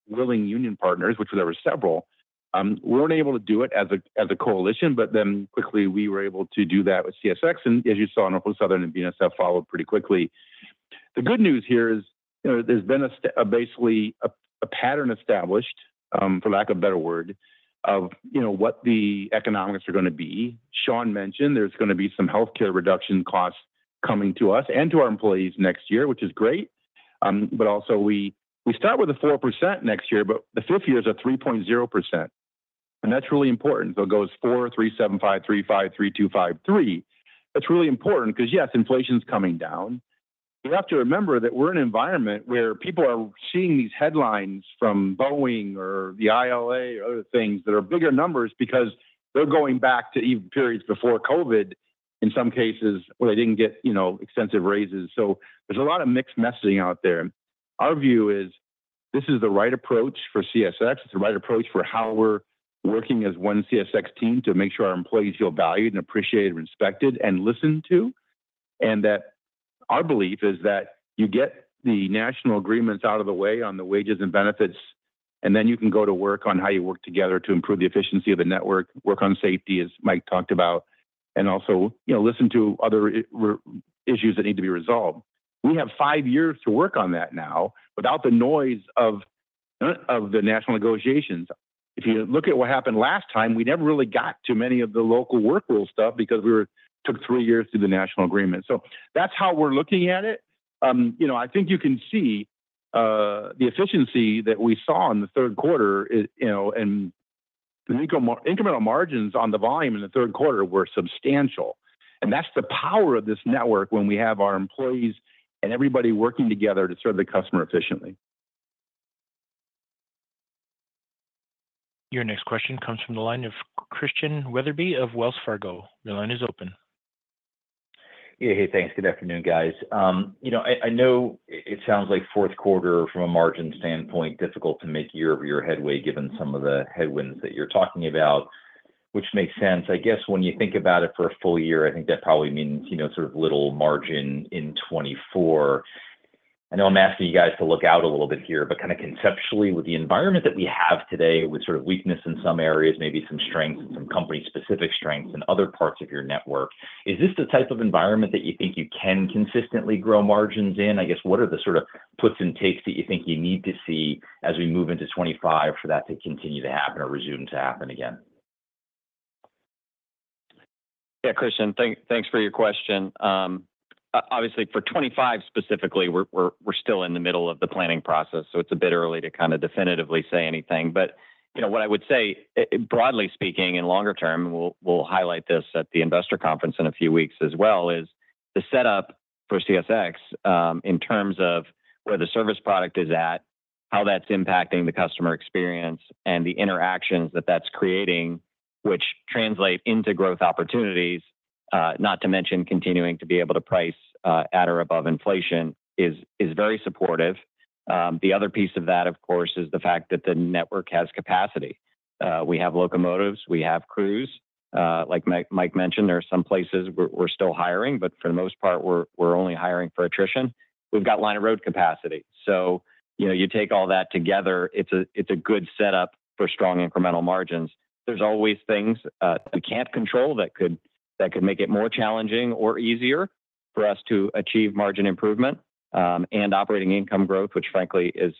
willing union partners, which there were several. We weren't able to do it as a, as a coalition, but then quickly we were able to do that with CSX, and as you saw, Norfolk Southern and BNSF followed pretty quickly. The good news here is, you know, there's been a basically, a pattern established, for lack of a better word, of, you know, what the economics are gonna be. Sean mentioned there's gonna be some healthcare reduction costs coming to us and to our employees next year, which is great. But also we, we start with a 4% next year, but the fifth year is a 3.0%, and that's really important. So it goes 4%, 3.75%, 3.5%, 3.25%, 3%. That's really important because, yes, inflation's coming down. We have to remember that we're in an environment where people are seeing these headlines from Boeing or the ILA or other things that are bigger numbers because they're going back to even periods before COVID, in some cases, where they didn't get, you know, extensive raises. So there's a lot of mixed messaging out there. Our view is, this is the right approach for CSX. It's the right approach for how we're working as ONE CSX team to make sure our employees feel valued, and appreciated, and respected, and listened to. And that our belief is that you get the national agreements out of the way on the wages and benefits, and then you can go to work on how you work together to improve the efficiency of the network, work on safety, as Mike talked about, and also, you know, listen to other issues that need to be resolved. We have five years to work on that now, without the noise of the national negotiations. If you look at what happened last time, we never really got to many of the local work rule stuff because took three years through the national agreement. So that's how we're looking at it. You know, I think you can see the efficiency that we saw in the Q3, you know, and the incremental margins on the volume in the Q3 were substantial, and that's the power of this network when we have our employees and everybody working together to serve the customer efficiently. Your next question comes from the line of Christian Wetherbee of Wells Fargo. Your line is open. Yeah. Hey, thanks. Good afternoon, guys. You know, I know it sounds like Q4, from a margin standpoint, difficult to make year-over-year headway, given some of the headwinds that you're talking about, which makes sense. I guess, when you think about it for a full year, I think that probably means, you know, sort of little margin in 2024. I know I'm asking you guys to look out a little bit here, but kinda conceptually, with the environment that we have today, with sort of weakness in some areas, maybe some strengths and some company-specific strengths in other parts of your network, is this the type of environment that you think you can consistently grow margins in? I guess, what are the sort of puts and takes that you think you need to see as we move into 2025 for that to continue to happen or resume to happen again? Yeah, Christian, thanks for your question. Obviously, for 2025 specifically, we're still in the middle of the planning process, so it's a bit early to kinda definitively say anything. But, you know, what I would say, broadly speaking, in longer term, and we'll highlight this at the investor conference in a few weeks as well, is the setup for CSX, in terms of where the service product is at, how that's impacting the customer experience, and the interactions that that's creating, which translate into growth opportunities, not to mention continuing to be able to price, at or above inflation, is very supportive. The other piece of that, of course, is the fact that the network has capacity. We have locomotives. We have crews. Like Mike mentioned, there are some places we're still hiring, but for the most part, we're only hiring for attrition. We've got line of road capacity. So, you know, you take all that together, it's a good setup for strong incremental margins. There's always things we can't control that could make it more challenging or easier for us to achieve margin improvement and operating income growth, which frankly is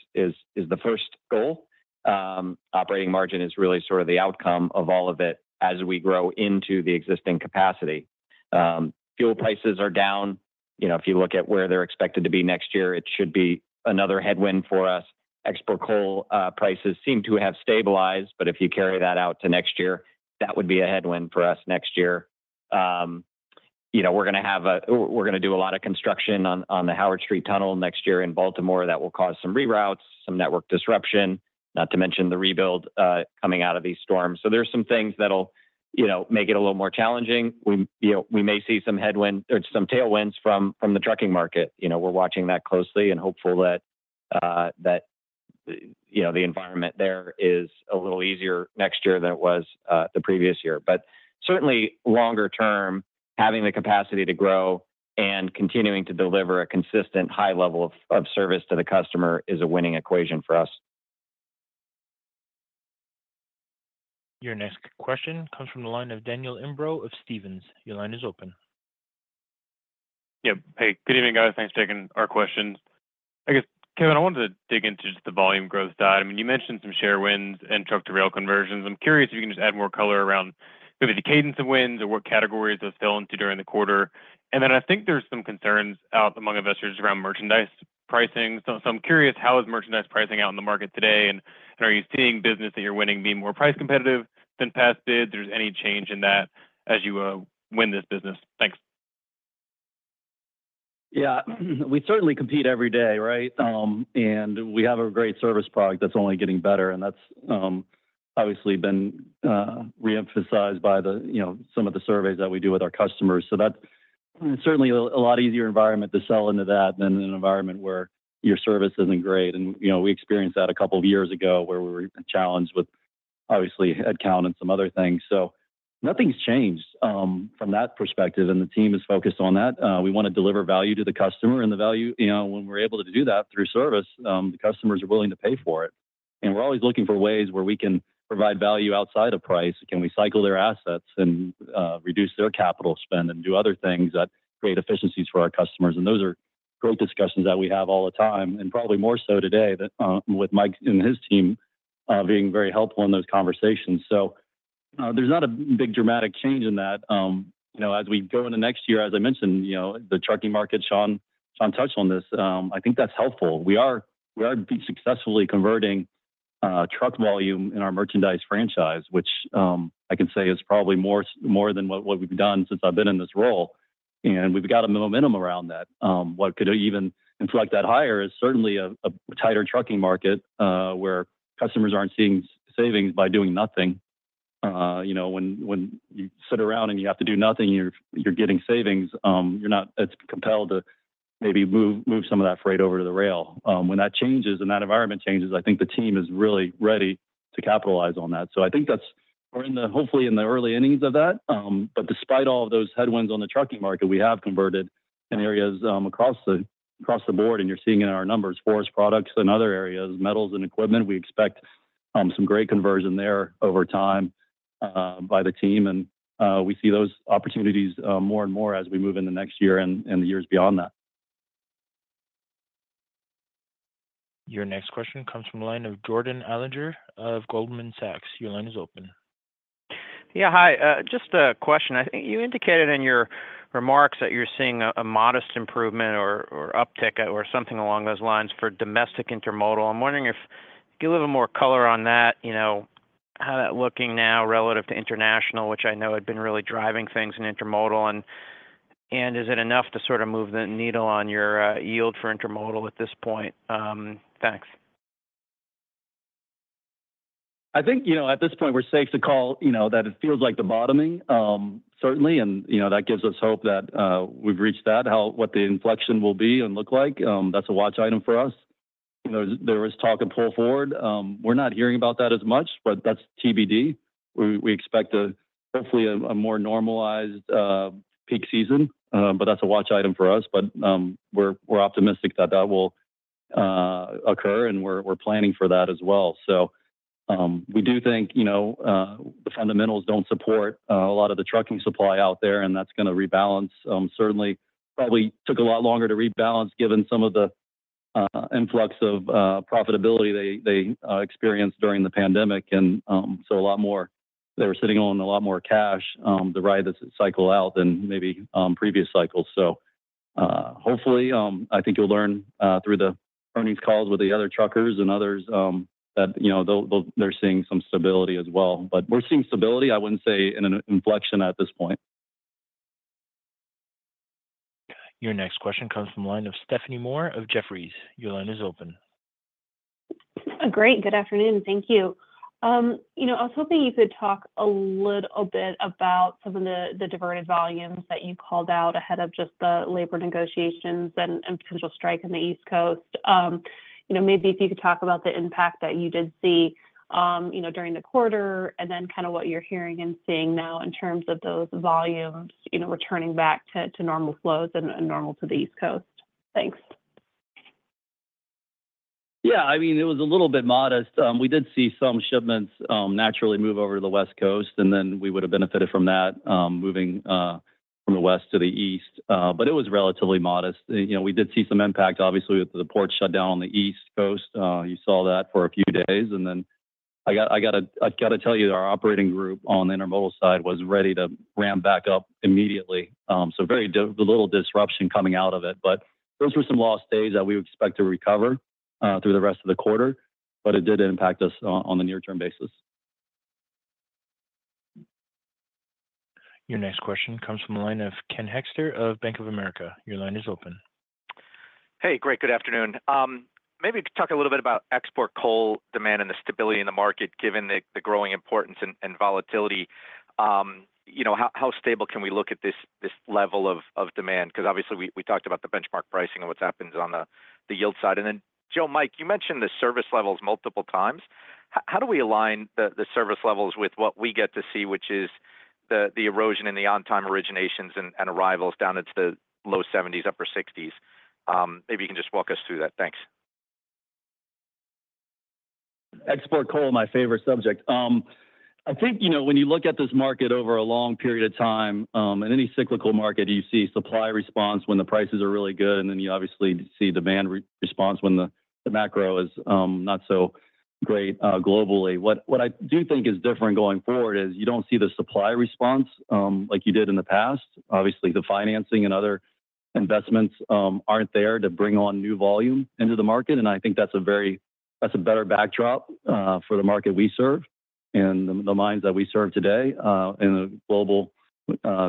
the first goal. Operating margin is really sort of the outcome of all of it as we grow into the existing capacity. Fuel prices are down. You know, if you look at where they're expected to be next year, it should be another headwind for us. Export coal prices seem to have stabilized, but if you carry that out to next year, that would be a headwind for us next year. You know, we're gonna do a lot of construction on the Howard Street Tunnel next year in Baltimore that will cause some reroutes, some network disruption, not to mention the rebuild coming out of these storms. So there's some things that'll, you know, make it a little more challenging. We, you know, we may see some headwind or some tailwinds from the trucking market. You know, we're watching that closely and hopeful that, you know, the environment there is a little easier next year than it was the previous year. But certainly, longer term, having the capacity to grow and continuing to deliver a consistent high level of service to the customer is a winning equation for us. Your next question comes from the line of Daniel Imbro of Stephens. Your line is open. Yeah. Hey, good evening, guys. Thanks for taking our questions. I guess, Kevin, I wanted to dig into just the volume growth side. I mean, you mentioned some share wins and truck-to-rail conversions. I'm curious if you can just add more color around maybe the cadence of wins or what categories those fell into during the quarter. And then, I think there's some concerns out among investors around Merchandise pricing. So, I'm curious, how is Merchandise pricing out in the market today, and are you seeing business that you're winning being more price competitive than past bids? If there's any change in that as you win this business? Thanks. Yeah, we certainly compete every day, right? And we have a great service product that's only getting better, and that's obviously been re-emphasized by the, you know, some of the surveys that we do with our customers. So that's certainly a lot easier environment to sell into that than an environment where your service isn't great and, you know, we experienced that a couple of years ago, where we were challenged with, obviously, headcount and some other things. So nothing's changed from that perspective, and the team is focused on that. We wanna deliver value to the customer, and the value, you know, when we're able to do that through service, the customers are willing to pay for it and we're always looking for ways where we can provide value outside of price. Can we cycle their assets and reduce their capital spend, and do other things that create efficiencies for our customers? Those are great discussions that we have all the time, and probably more so today than with Mike and his team being very helpful in those conversations. So there's not a big dramatic change in that. You know, as we go into next year, as I mentioned, you know, the trucking market. Sean touched on this. I think that's helpful. We are successfully converting truck volume in our Merchandise franchise, which I can say is probably more than what we've done since I've been in this role, and we've got a momentum around that. What could even influence that higher is certainly a tighter trucking market, where customers aren't seeing savings by doing nothing. You know, when you sit around and you have to do nothing, you're getting savings, you're not as compelled to maybe move some of that freight over to the rail. When that changes and that environment changes, I think the team is really ready to capitalize on that. So I think that's... We're in the, hopefully, in the early innings of that. But despite all of those headwinds on the trucking market, we have converted in areas, across the board, and you're seeing it in our numbers. Forest Products and other areas, Metals and Equipment, we expect some great conversion there over time, by the team. We see those opportunities more and more as we move in the next year and the years beyond that. Your next question comes from the line of Jordan Alliger of Goldman Sachs. Your line is open. Yeah, hi. Just a question: I think you indicated in your remarks that you're seeing a modest improvement or uptick, or something along those lines for domestic intermodal. I'm wondering if you can give a little more color on that, you know, how that looking now relative to international, which I know had been really driving things in intermodal, and is it enough to sort of move the needle on your yield for intermodal at this point? Thanks. I think, you know, at this point, we're safe to call, you know, that it feels like the bottoming, certainly, and, you know, that gives us hope that we've reached that. What the inflection will be and look like, that's a watch item for us. You know, there is talk of pull forward. We're not hearing about that as much, but that's TBD. We expect, hopefully a more normalized peak season, but that's a watch item for us. But, we're optimistic that that will occur, and we're planning for that as well. So, we do think, you know, the fundamentals don't support a lot of the trucking supply out there, and that's gonna rebalance. Certainly, probably took a lot longer to rebalance given some of the influx of profitability they experienced during the pandemic. They were sitting on a lot more cash to ride this cycle out than maybe previous cycles, so hopefully I think you'll learn through the earnings calls with the other truckers and others that, you know, they're seeing some stability as well, but we're seeing stability. I wouldn't say in an inflection at this point. Your next question comes from the line of Stephanie Moore of Jefferies. Your line is open. Great. Good afternoon. Thank you. You know, I was hoping you could talk a little bit about some of the, the diverted volumes that you called out ahead of just the labor negotiations and, and potential strike in the East Coast. You know, maybe if you could talk about the impact that you did see, you know, during the quarter, and then kind of what you're hearing and seeing now in terms of those volumes, you know, returning back to, to normal flows and, and normal to the East Coast. Thanks. Yeah, I mean, it was a little bit modest. We did see some shipments naturally move over to the West Coast, and then we would've benefited from that moving from the west to the east, but it was relatively modest. You know, we did see some impact, obviously, with the port shut down on the East Coast. You saw that for a few days, and then I gotta tell you that our operating group on the intermodal side was ready to ramp back up immediately. So very little disruption coming out of it, but those were some lost days that we would expect to recover through the rest of the quarter, but it did impact us on the near-term basis. Your next question comes from the line of Ken Hoexter of Bank of America. Your line is open. Hey, great. Good afternoon. Maybe talk a little bit about export coal demand and the stability in the market, given the growing importance and volatility. You know, how stable can we look at this level of demand? 'Cause obviously we talked about the benchmark pricing and what's happened on the yield side. And then, Joe, Mike, you mentioned the service levels multiple times. How do we align the service levels with what we get to see, which is the erosion in the on-time originations and arrivals down into the low 70s, upper 60s? Maybe you can just walk us through that. Thanks. Export coal, my favorite subject. I think, you know, when you look at this market over a long period of time, in any cyclical market, you see supply response when the prices are really good, and then you obviously see demand response when the macro is not so great globally. What I do think is different going forward is you don't see the supply response like you did in the past. Obviously, the financing and other investments aren't there to bring on new volume into the market, and I think that's a better backdrop for the market we serve and the mines that we serve today in a global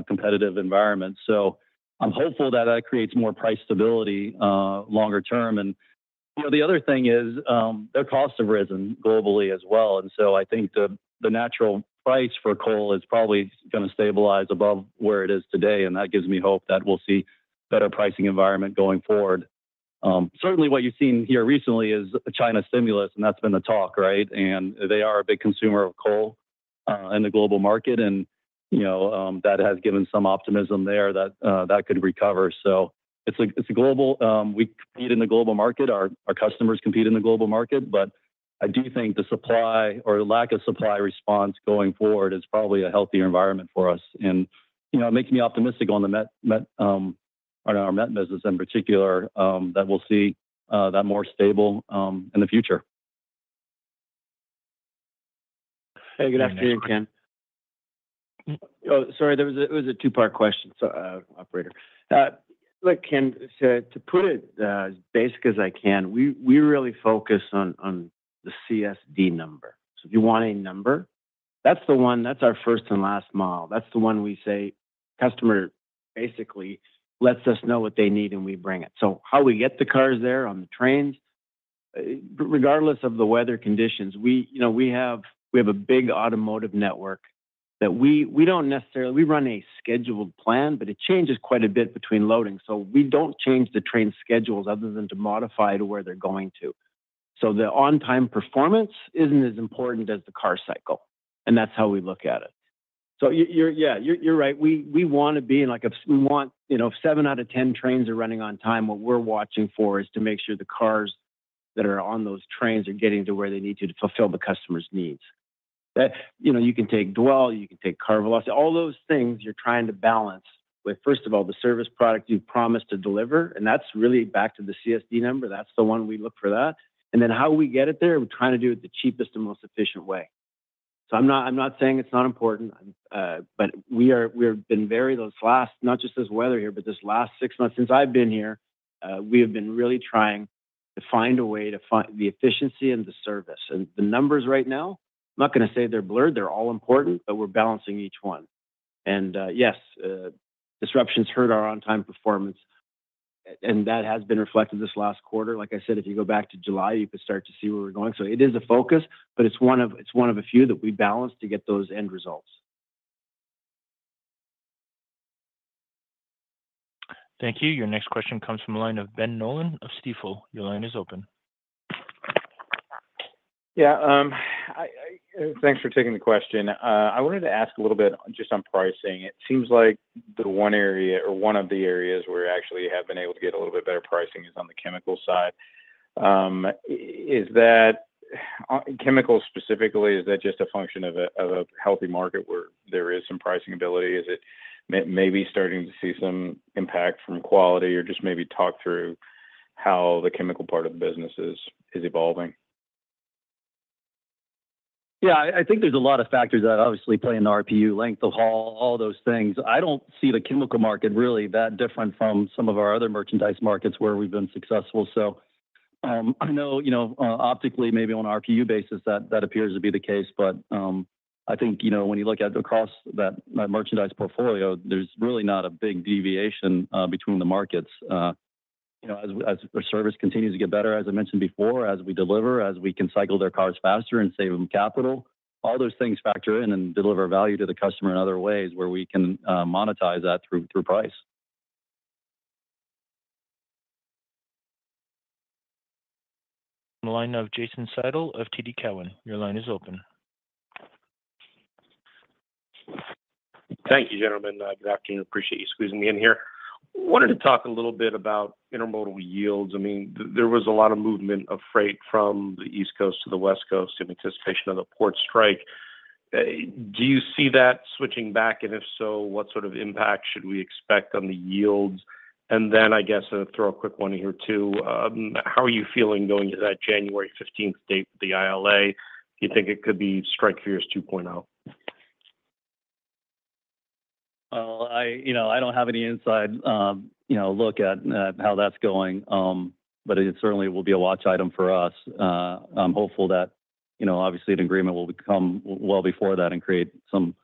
competitive environment. So I'm hopeful that that creates more price stability longer term. And, you know, the other thing is, their costs have risen globally as well, and so I think the natural price for coal is probably gonna stabilize above where it is today, and that gives me hope that we'll see better pricing environment going forward. Certainly what you've seen here recently is China stimulus, and that's been the talk, right? And they are a big consumer of coal in the global market, and you know, that has given some optimism there that that could recover. So we compete in the global market. Our customers compete in the global market, but I do think the supply or lack of supply response going forward is probably a healthier environment for us. You know, it makes me optimistic on our met business in particular that we'll see that more stable in the future. Hey, good afternoon, Ken. Oh, sorry, there was a - it was a two-part question, so, operator. Look, Ken, so to put it as basic as I can, we, we really focus on, on the CSD number. So if you want a number, that's the one, that's our first and last mile. That's the one we say, customer basically lets us know what they need, and we bring it. So how we get the cars there on the trains, regardless of the weather conditions, we, you know, we have, we have a big automotive network that we, we don't necessarily. We run a scheduled plan, but it changes quite a bit between loading. So we don't change the train schedules other than to modify to where they're going to. So the on-time performance isn't as important as the car cycle, and that's how we look at it. So you're right. We wanna be in, like, we want. You know, if seven out of ten trains are running on time, what we're watching for is to make sure the cars that are on those trains are getting to where they need to fulfill the customer's needs. That. You know, you can take dwell, you can take car velocity, all those things you're trying to balance with, first of all, the service product you've promised to deliver, and that's really back to the CSD number. That's the one we look for that. And then how we get it there, we're trying to do it the cheapest and most efficient way. So, I'm not. I'm not saying it's not important, but we have been very those last, not just this weather here, but this last six months since I've been here. We have been really trying to find a way to find the efficiency and the service, and the numbers right now. I'm not gonna say they're blurred. They're all important, but we're balancing each one, and yes, disruptions hurt our on-time performance, and that has been reflected this last quarter. Like I said, if you go back to July, you could start to see where we're going. So it is a focus, but it's one of a few that we balance to get those end results. Thank you. Your next question comes from the line of Ben Nolan of Stifel. Your line is open. Yeah, thanks for taking the question. I wanted to ask a little bit just on pricing. It seems like the one area or one of the areas where you actually have been able to get a little bit better pricing is on the chemical side. Chemicals specifically, is that just a function of a healthy market where there is some pricing ability? Is it maybe starting to see some impact from quality, or just maybe talk through how the chemical part of the business is evolving. Yeah, I think there's a lot of factors that obviously play into RPU, length of haul, all those things. I don't see the chemical market really that different from some of our other Merchandise markets where we've been successful. So, I know, you know, optically, maybe on an RPU basis, that appears to be the case, but, I think, you know, when you look at across that Merchandise portfolio, there's really not a big deviation between the markets. You know, as our service continues to get better, as I mentioned before, as we deliver, as we can cycle their cars faster and save them capital, all those things factor in and deliver value to the customer in other ways where we can monetize that through price. The line of Jason Seidl of TD Cowen, your line is open. Thank you, gentlemen. Good afternoon. Appreciate you squeezing me in here. Wanted to talk a little bit about intermodal yields. I mean, there was a lot of movement of freight from the East Coast to the West Coast in anticipation of the port strike.... Do you see that switching back? And if so, what sort of impact should we expect on the yields? And then, I guess I'll throw a quick one in here, too. How are you feeling going to that January 15th date with the ILA? Do you think it could be strike fears 2.0? Well, you know, I don't have any inside look at how that's going, but it certainly will be a watch item for us. I'm hopeful that, you know, obviously, an agreement will become well before that and create some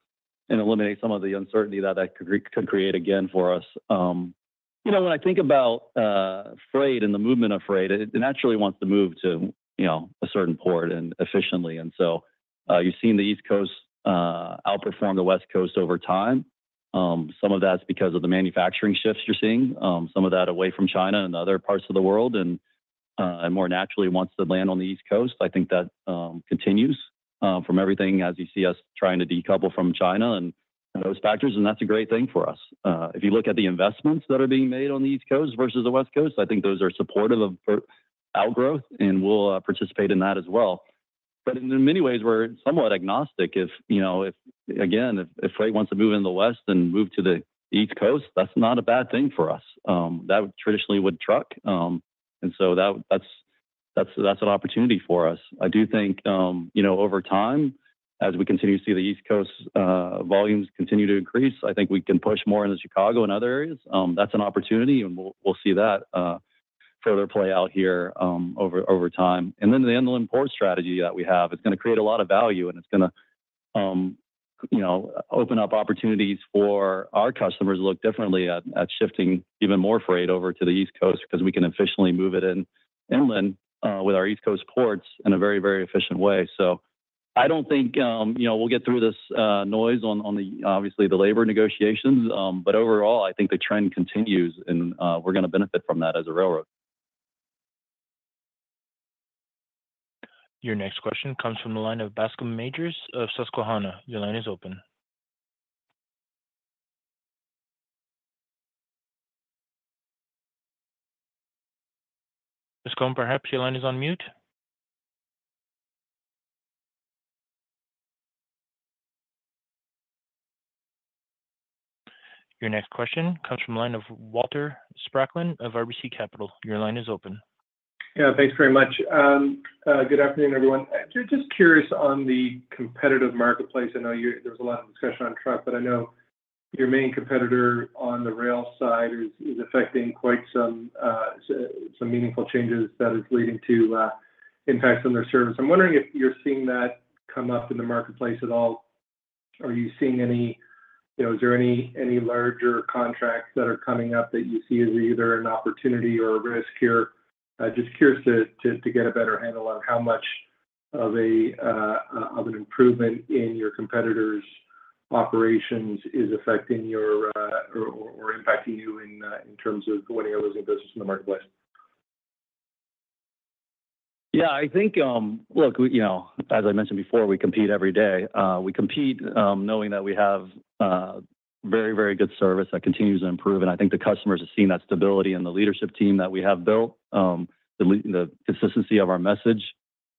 and eliminate some of the uncertainty that that could create again for us. You know, when I think about freight and the movement of freight, it naturally wants to move to, you know, a certain port and efficiently, and so you've seen the East Coast outperform the West Coast over time. Some of that's because of the manufacturing shifts you're seeing. Some of that away from China and other parts of the world, and more naturally wants to land on the East Coast. I think that continues from everything as you see us trying to decouple from China and those factors, and that's a great thing for us. If you look at the investments that are being made on the East Coast versus the West Coast, I think those are supportive of for our growth, and we'll participate in that as well. But in many ways, we're somewhat agnostic if you know, again, if freight wants to move in the west, then move to the East Coast, that's not a bad thing for us. That traditionally would truck. And so that's an opportunity for us. I do think you know, over time, as we continue to see the East Coast volumes continue to increase, I think we can push more into Chicago and other areas. That's an opportunity, and we'll see that further play out here over time. Then, the inland port strategy that we have, it's gonna create a lot of value, and it's gonna you know open up opportunities for our customers to look differently at shifting even more freight over to the East Coast, 'cause we can efficiently move it inland with our East Coast ports in a very, very efficient way. So I don't think you know we'll get through this noise on the, obviously, the labor negotiations, but overall, I think the trend continues, and we're gonna benefit from that as a railroad. Your next question comes from the line of Bascome Majors of Susquehanna. Your line is open. Bascome, perhaps your line is on mute? Your next question comes from the line of Walter Spracklin of RBC Capital. Your line is open. Yeah, thanks very much. Good afternoon, everyone. Just curious on the competitive marketplace. I know you-- there's a lot of discussion on truck, but I know your main competitor on the rail side is affecting quite some meaningful changes that is leading to impacts on their service. I'm wondering if you're seeing that come up in the marketplace at all. Are you seeing any... You know, is there any larger contracts that are coming up that you see as either an opportunity or a risk here? I'm just curious to get a better handle on how much of an improvement in your competitor's operations is affecting your or impacting you in terms of winning or losing business in the marketplace. Yeah, I think, look, we, you know, as I mentioned before, we compete every day. We compete knowing that we have a very, very good service that continues to improve, and I think the customers are seeing that stability in the leadership team that we have built, the consistency of our message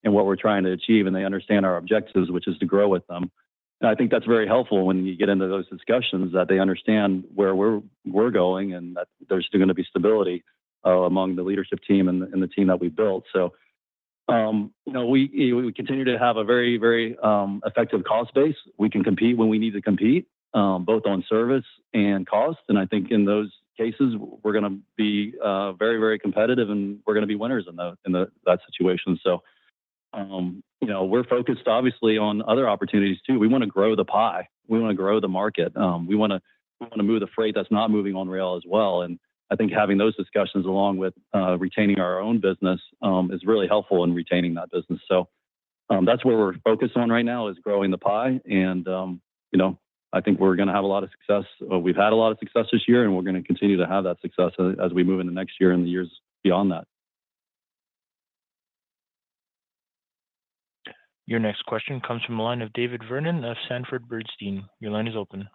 and what we're trying to achieve, and they understand our objectives, which is to grow with them, and I think that's very helpful when you get into those discussions, that they understand where we're going, and that there's still gonna be stability among the leadership team and the team that we've built, so you know, we continue to have a very, very effective cost base. We can compete when we need to compete, both on service and cost, and I think in those cases, we're gonna be very, very competitive, and we're gonna be winners in that situation. So, you know, we're focused, obviously, on other opportunities, too. We wanna grow the pie. We wanna grow the market. We wanna move the freight that's not moving on rail as well and I think having those discussions along with retaining our own business is really helpful in retaining that business. So, that's where we're focused on right now, is growing the pie, and you know, I think we're gonna have a lot of success. We've had a lot of success this year, and we're gonna continue to have that success as we move in the next year and the years beyond that. Your next question comes from the line of David Vernon of Sanford C. Bernstein. Your line is open.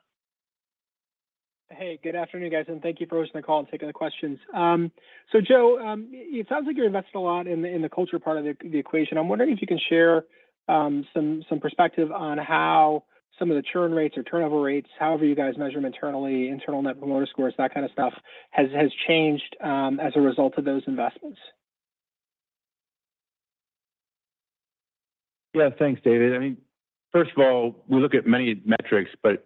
Hey, good afternoon, guys, and thank you for hosting the call and taking the questions. So Joe, it sounds like you're invested a lot in the culture part of the equation. I'm wondering if you can share some perspective on how some of the churn rates or turnover rates, however you guys measure them internally, internal net promoter scores, that kind of stuff, has changed as a result of those investments? Yeah, thanks, David. I mean, first of all, we look at many metrics, but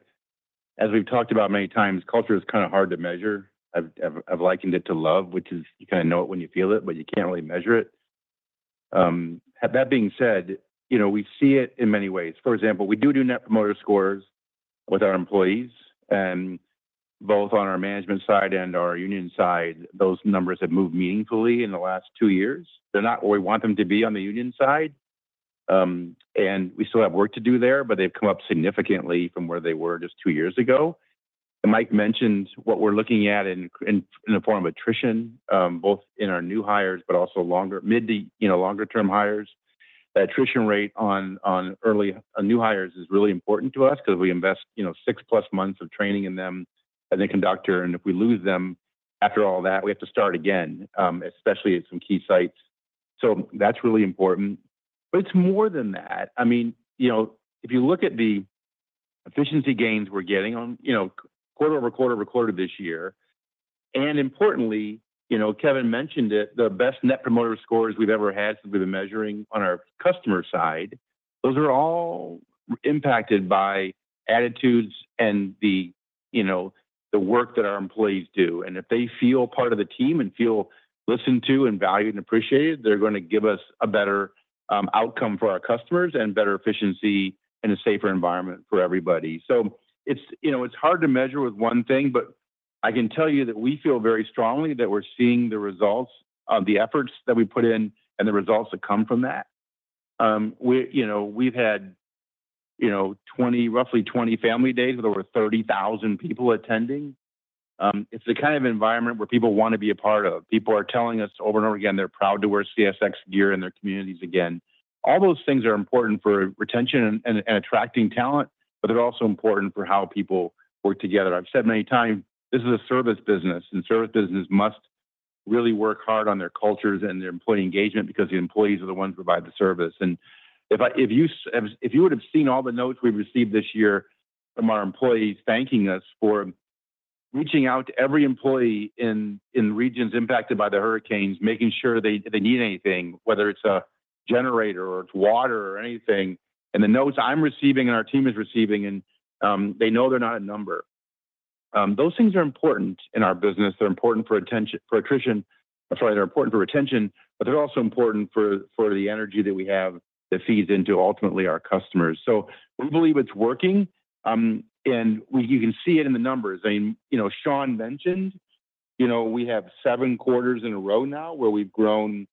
as we've talked about many times, culture is kind of hard to measure. I've likened it to love, which is, you kind of know it when you feel it, but you can't really measure it. That being said, you know, we see it in many ways. For example, we do do net promoter scores with our employees, and both on our management side and our union side, those numbers have moved meaningfully in the last two years. They're not where we want them to be on the union side, and we still have work to do there, but they've come up significantly from where they were just two years ago. Mike mentioned what we're looking at in the form of attrition, both in our new hires, but also longer-term hires. The attrition rate on early new hires is really important to us because we invest, you know, six-plus months of training in them as a conductor, and if we lose them after all that, we have to start again, especially at some key sites.... So that's really important. But it's more than that. I mean, you know, if you look at the efficiency gains we're getting on, you know, quarter over quarter over quarter this year, and importantly, you know, Kevin mentioned it, the best Net Promoter Scores we've ever had since we've been measuring on our customer side. Those are all impacted by attitudes and the, you know, the work that our employees do. And if they feel part of the team and feel listened to and valued and appreciated, they're gonna give us a better outcome for our customers and better efficiency and a safer environment for everybody. So it's, you know, it's hard to measure with one thing, but I can tell you that we feel very strongly that we're seeing the results of the efforts that we put in and the results that come from that. We, you know, we've had, you know, 20, roughly 20 family days, with over 30,000 people attending. It's the kind of environment where people want to be a part of. People are telling us over and over again, they're proud to wear CSX gear in their communities again. All those things are important for retention and attracting talent, but they're also important for how people work together. I've said many times, this is a Service business, and Service business must really work hard on their cultures and their employee engagement because the employees are the ones who provide the service. If you would have seen all the notes we've received this year from our employees, thanking us for reaching out to every employee in regions impacted by the hurricanes, making sure they need anything, whether it's a generator or it's water or anything. The notes I'm receiving and our team is receiving, and they know they're not a number. Those things are important in our business. They're important for attention—for attrition. I'm sorry, they're important for retention, but they're also important for the energy that we have that feeds into ultimately our customers. We believe it's working, and you can see it in the numbers. You know, Sean mentioned, you know, we have seven quarters in a row now where we've grown,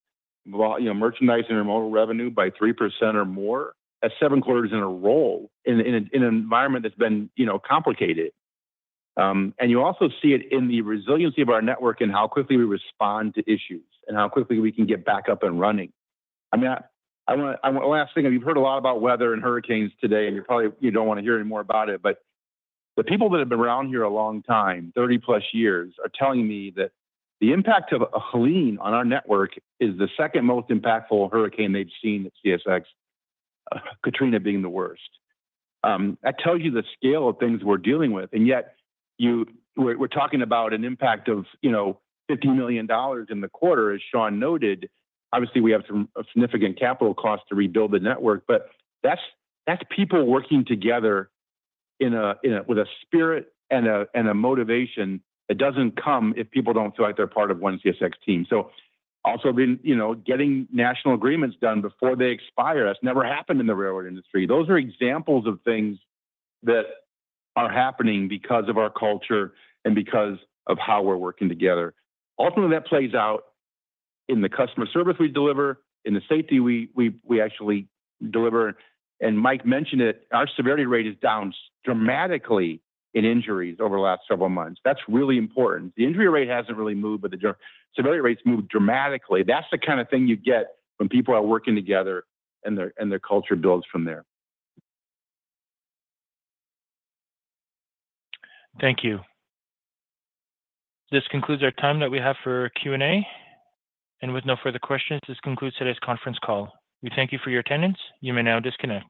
well, you know, Merchandise and intermodal revenue by 3% or more. That's seven quarters in a row, in an environment that's been, you know, complicated and you also see it in the resiliency of our network and how quickly we respond to issues, and how quickly we can get back up and running. I mean, I wanna, last thing, and you've heard a lot about weather and hurricanes today, and you probably don't wanna hear any more about it, but the people that have been around here a long time, thirty plus years, are telling me that the impact of Helene on our network is the second most impactful hurricane they've seen at CSX, Katrina being the worst. That tells you the scale of things we're dealing with, and yet, we're talking about an impact of, you know, $50 million in the quarter, as Sean noted. Obviously, we have some significant capital costs to rebuild the network, but that's people working together with a spirit and a motivation that doesn't come if people don't feel like they're part of ONE CSX team. So also been, you know, getting national agreements done before they expire, that's never happened in the railroad industry. Those are examples of things that are happening because of our culture and because of how we're working together. Ultimately, that plays out in the customer service we deliver, in the safety we actually deliver and Mike mentioned it, our severity rate is down dramatically in injuries over the last several months. That's really important. The injury rate hasn't really moved, but the severity rates moved dramatically. That's the kind of thing you get when people are working together, and their culture builds from there. Thank you. This concludes our time that we have for Q&A, and with no further questions, this concludes today's conference call. We thank you for your attendance. You may now disconnect.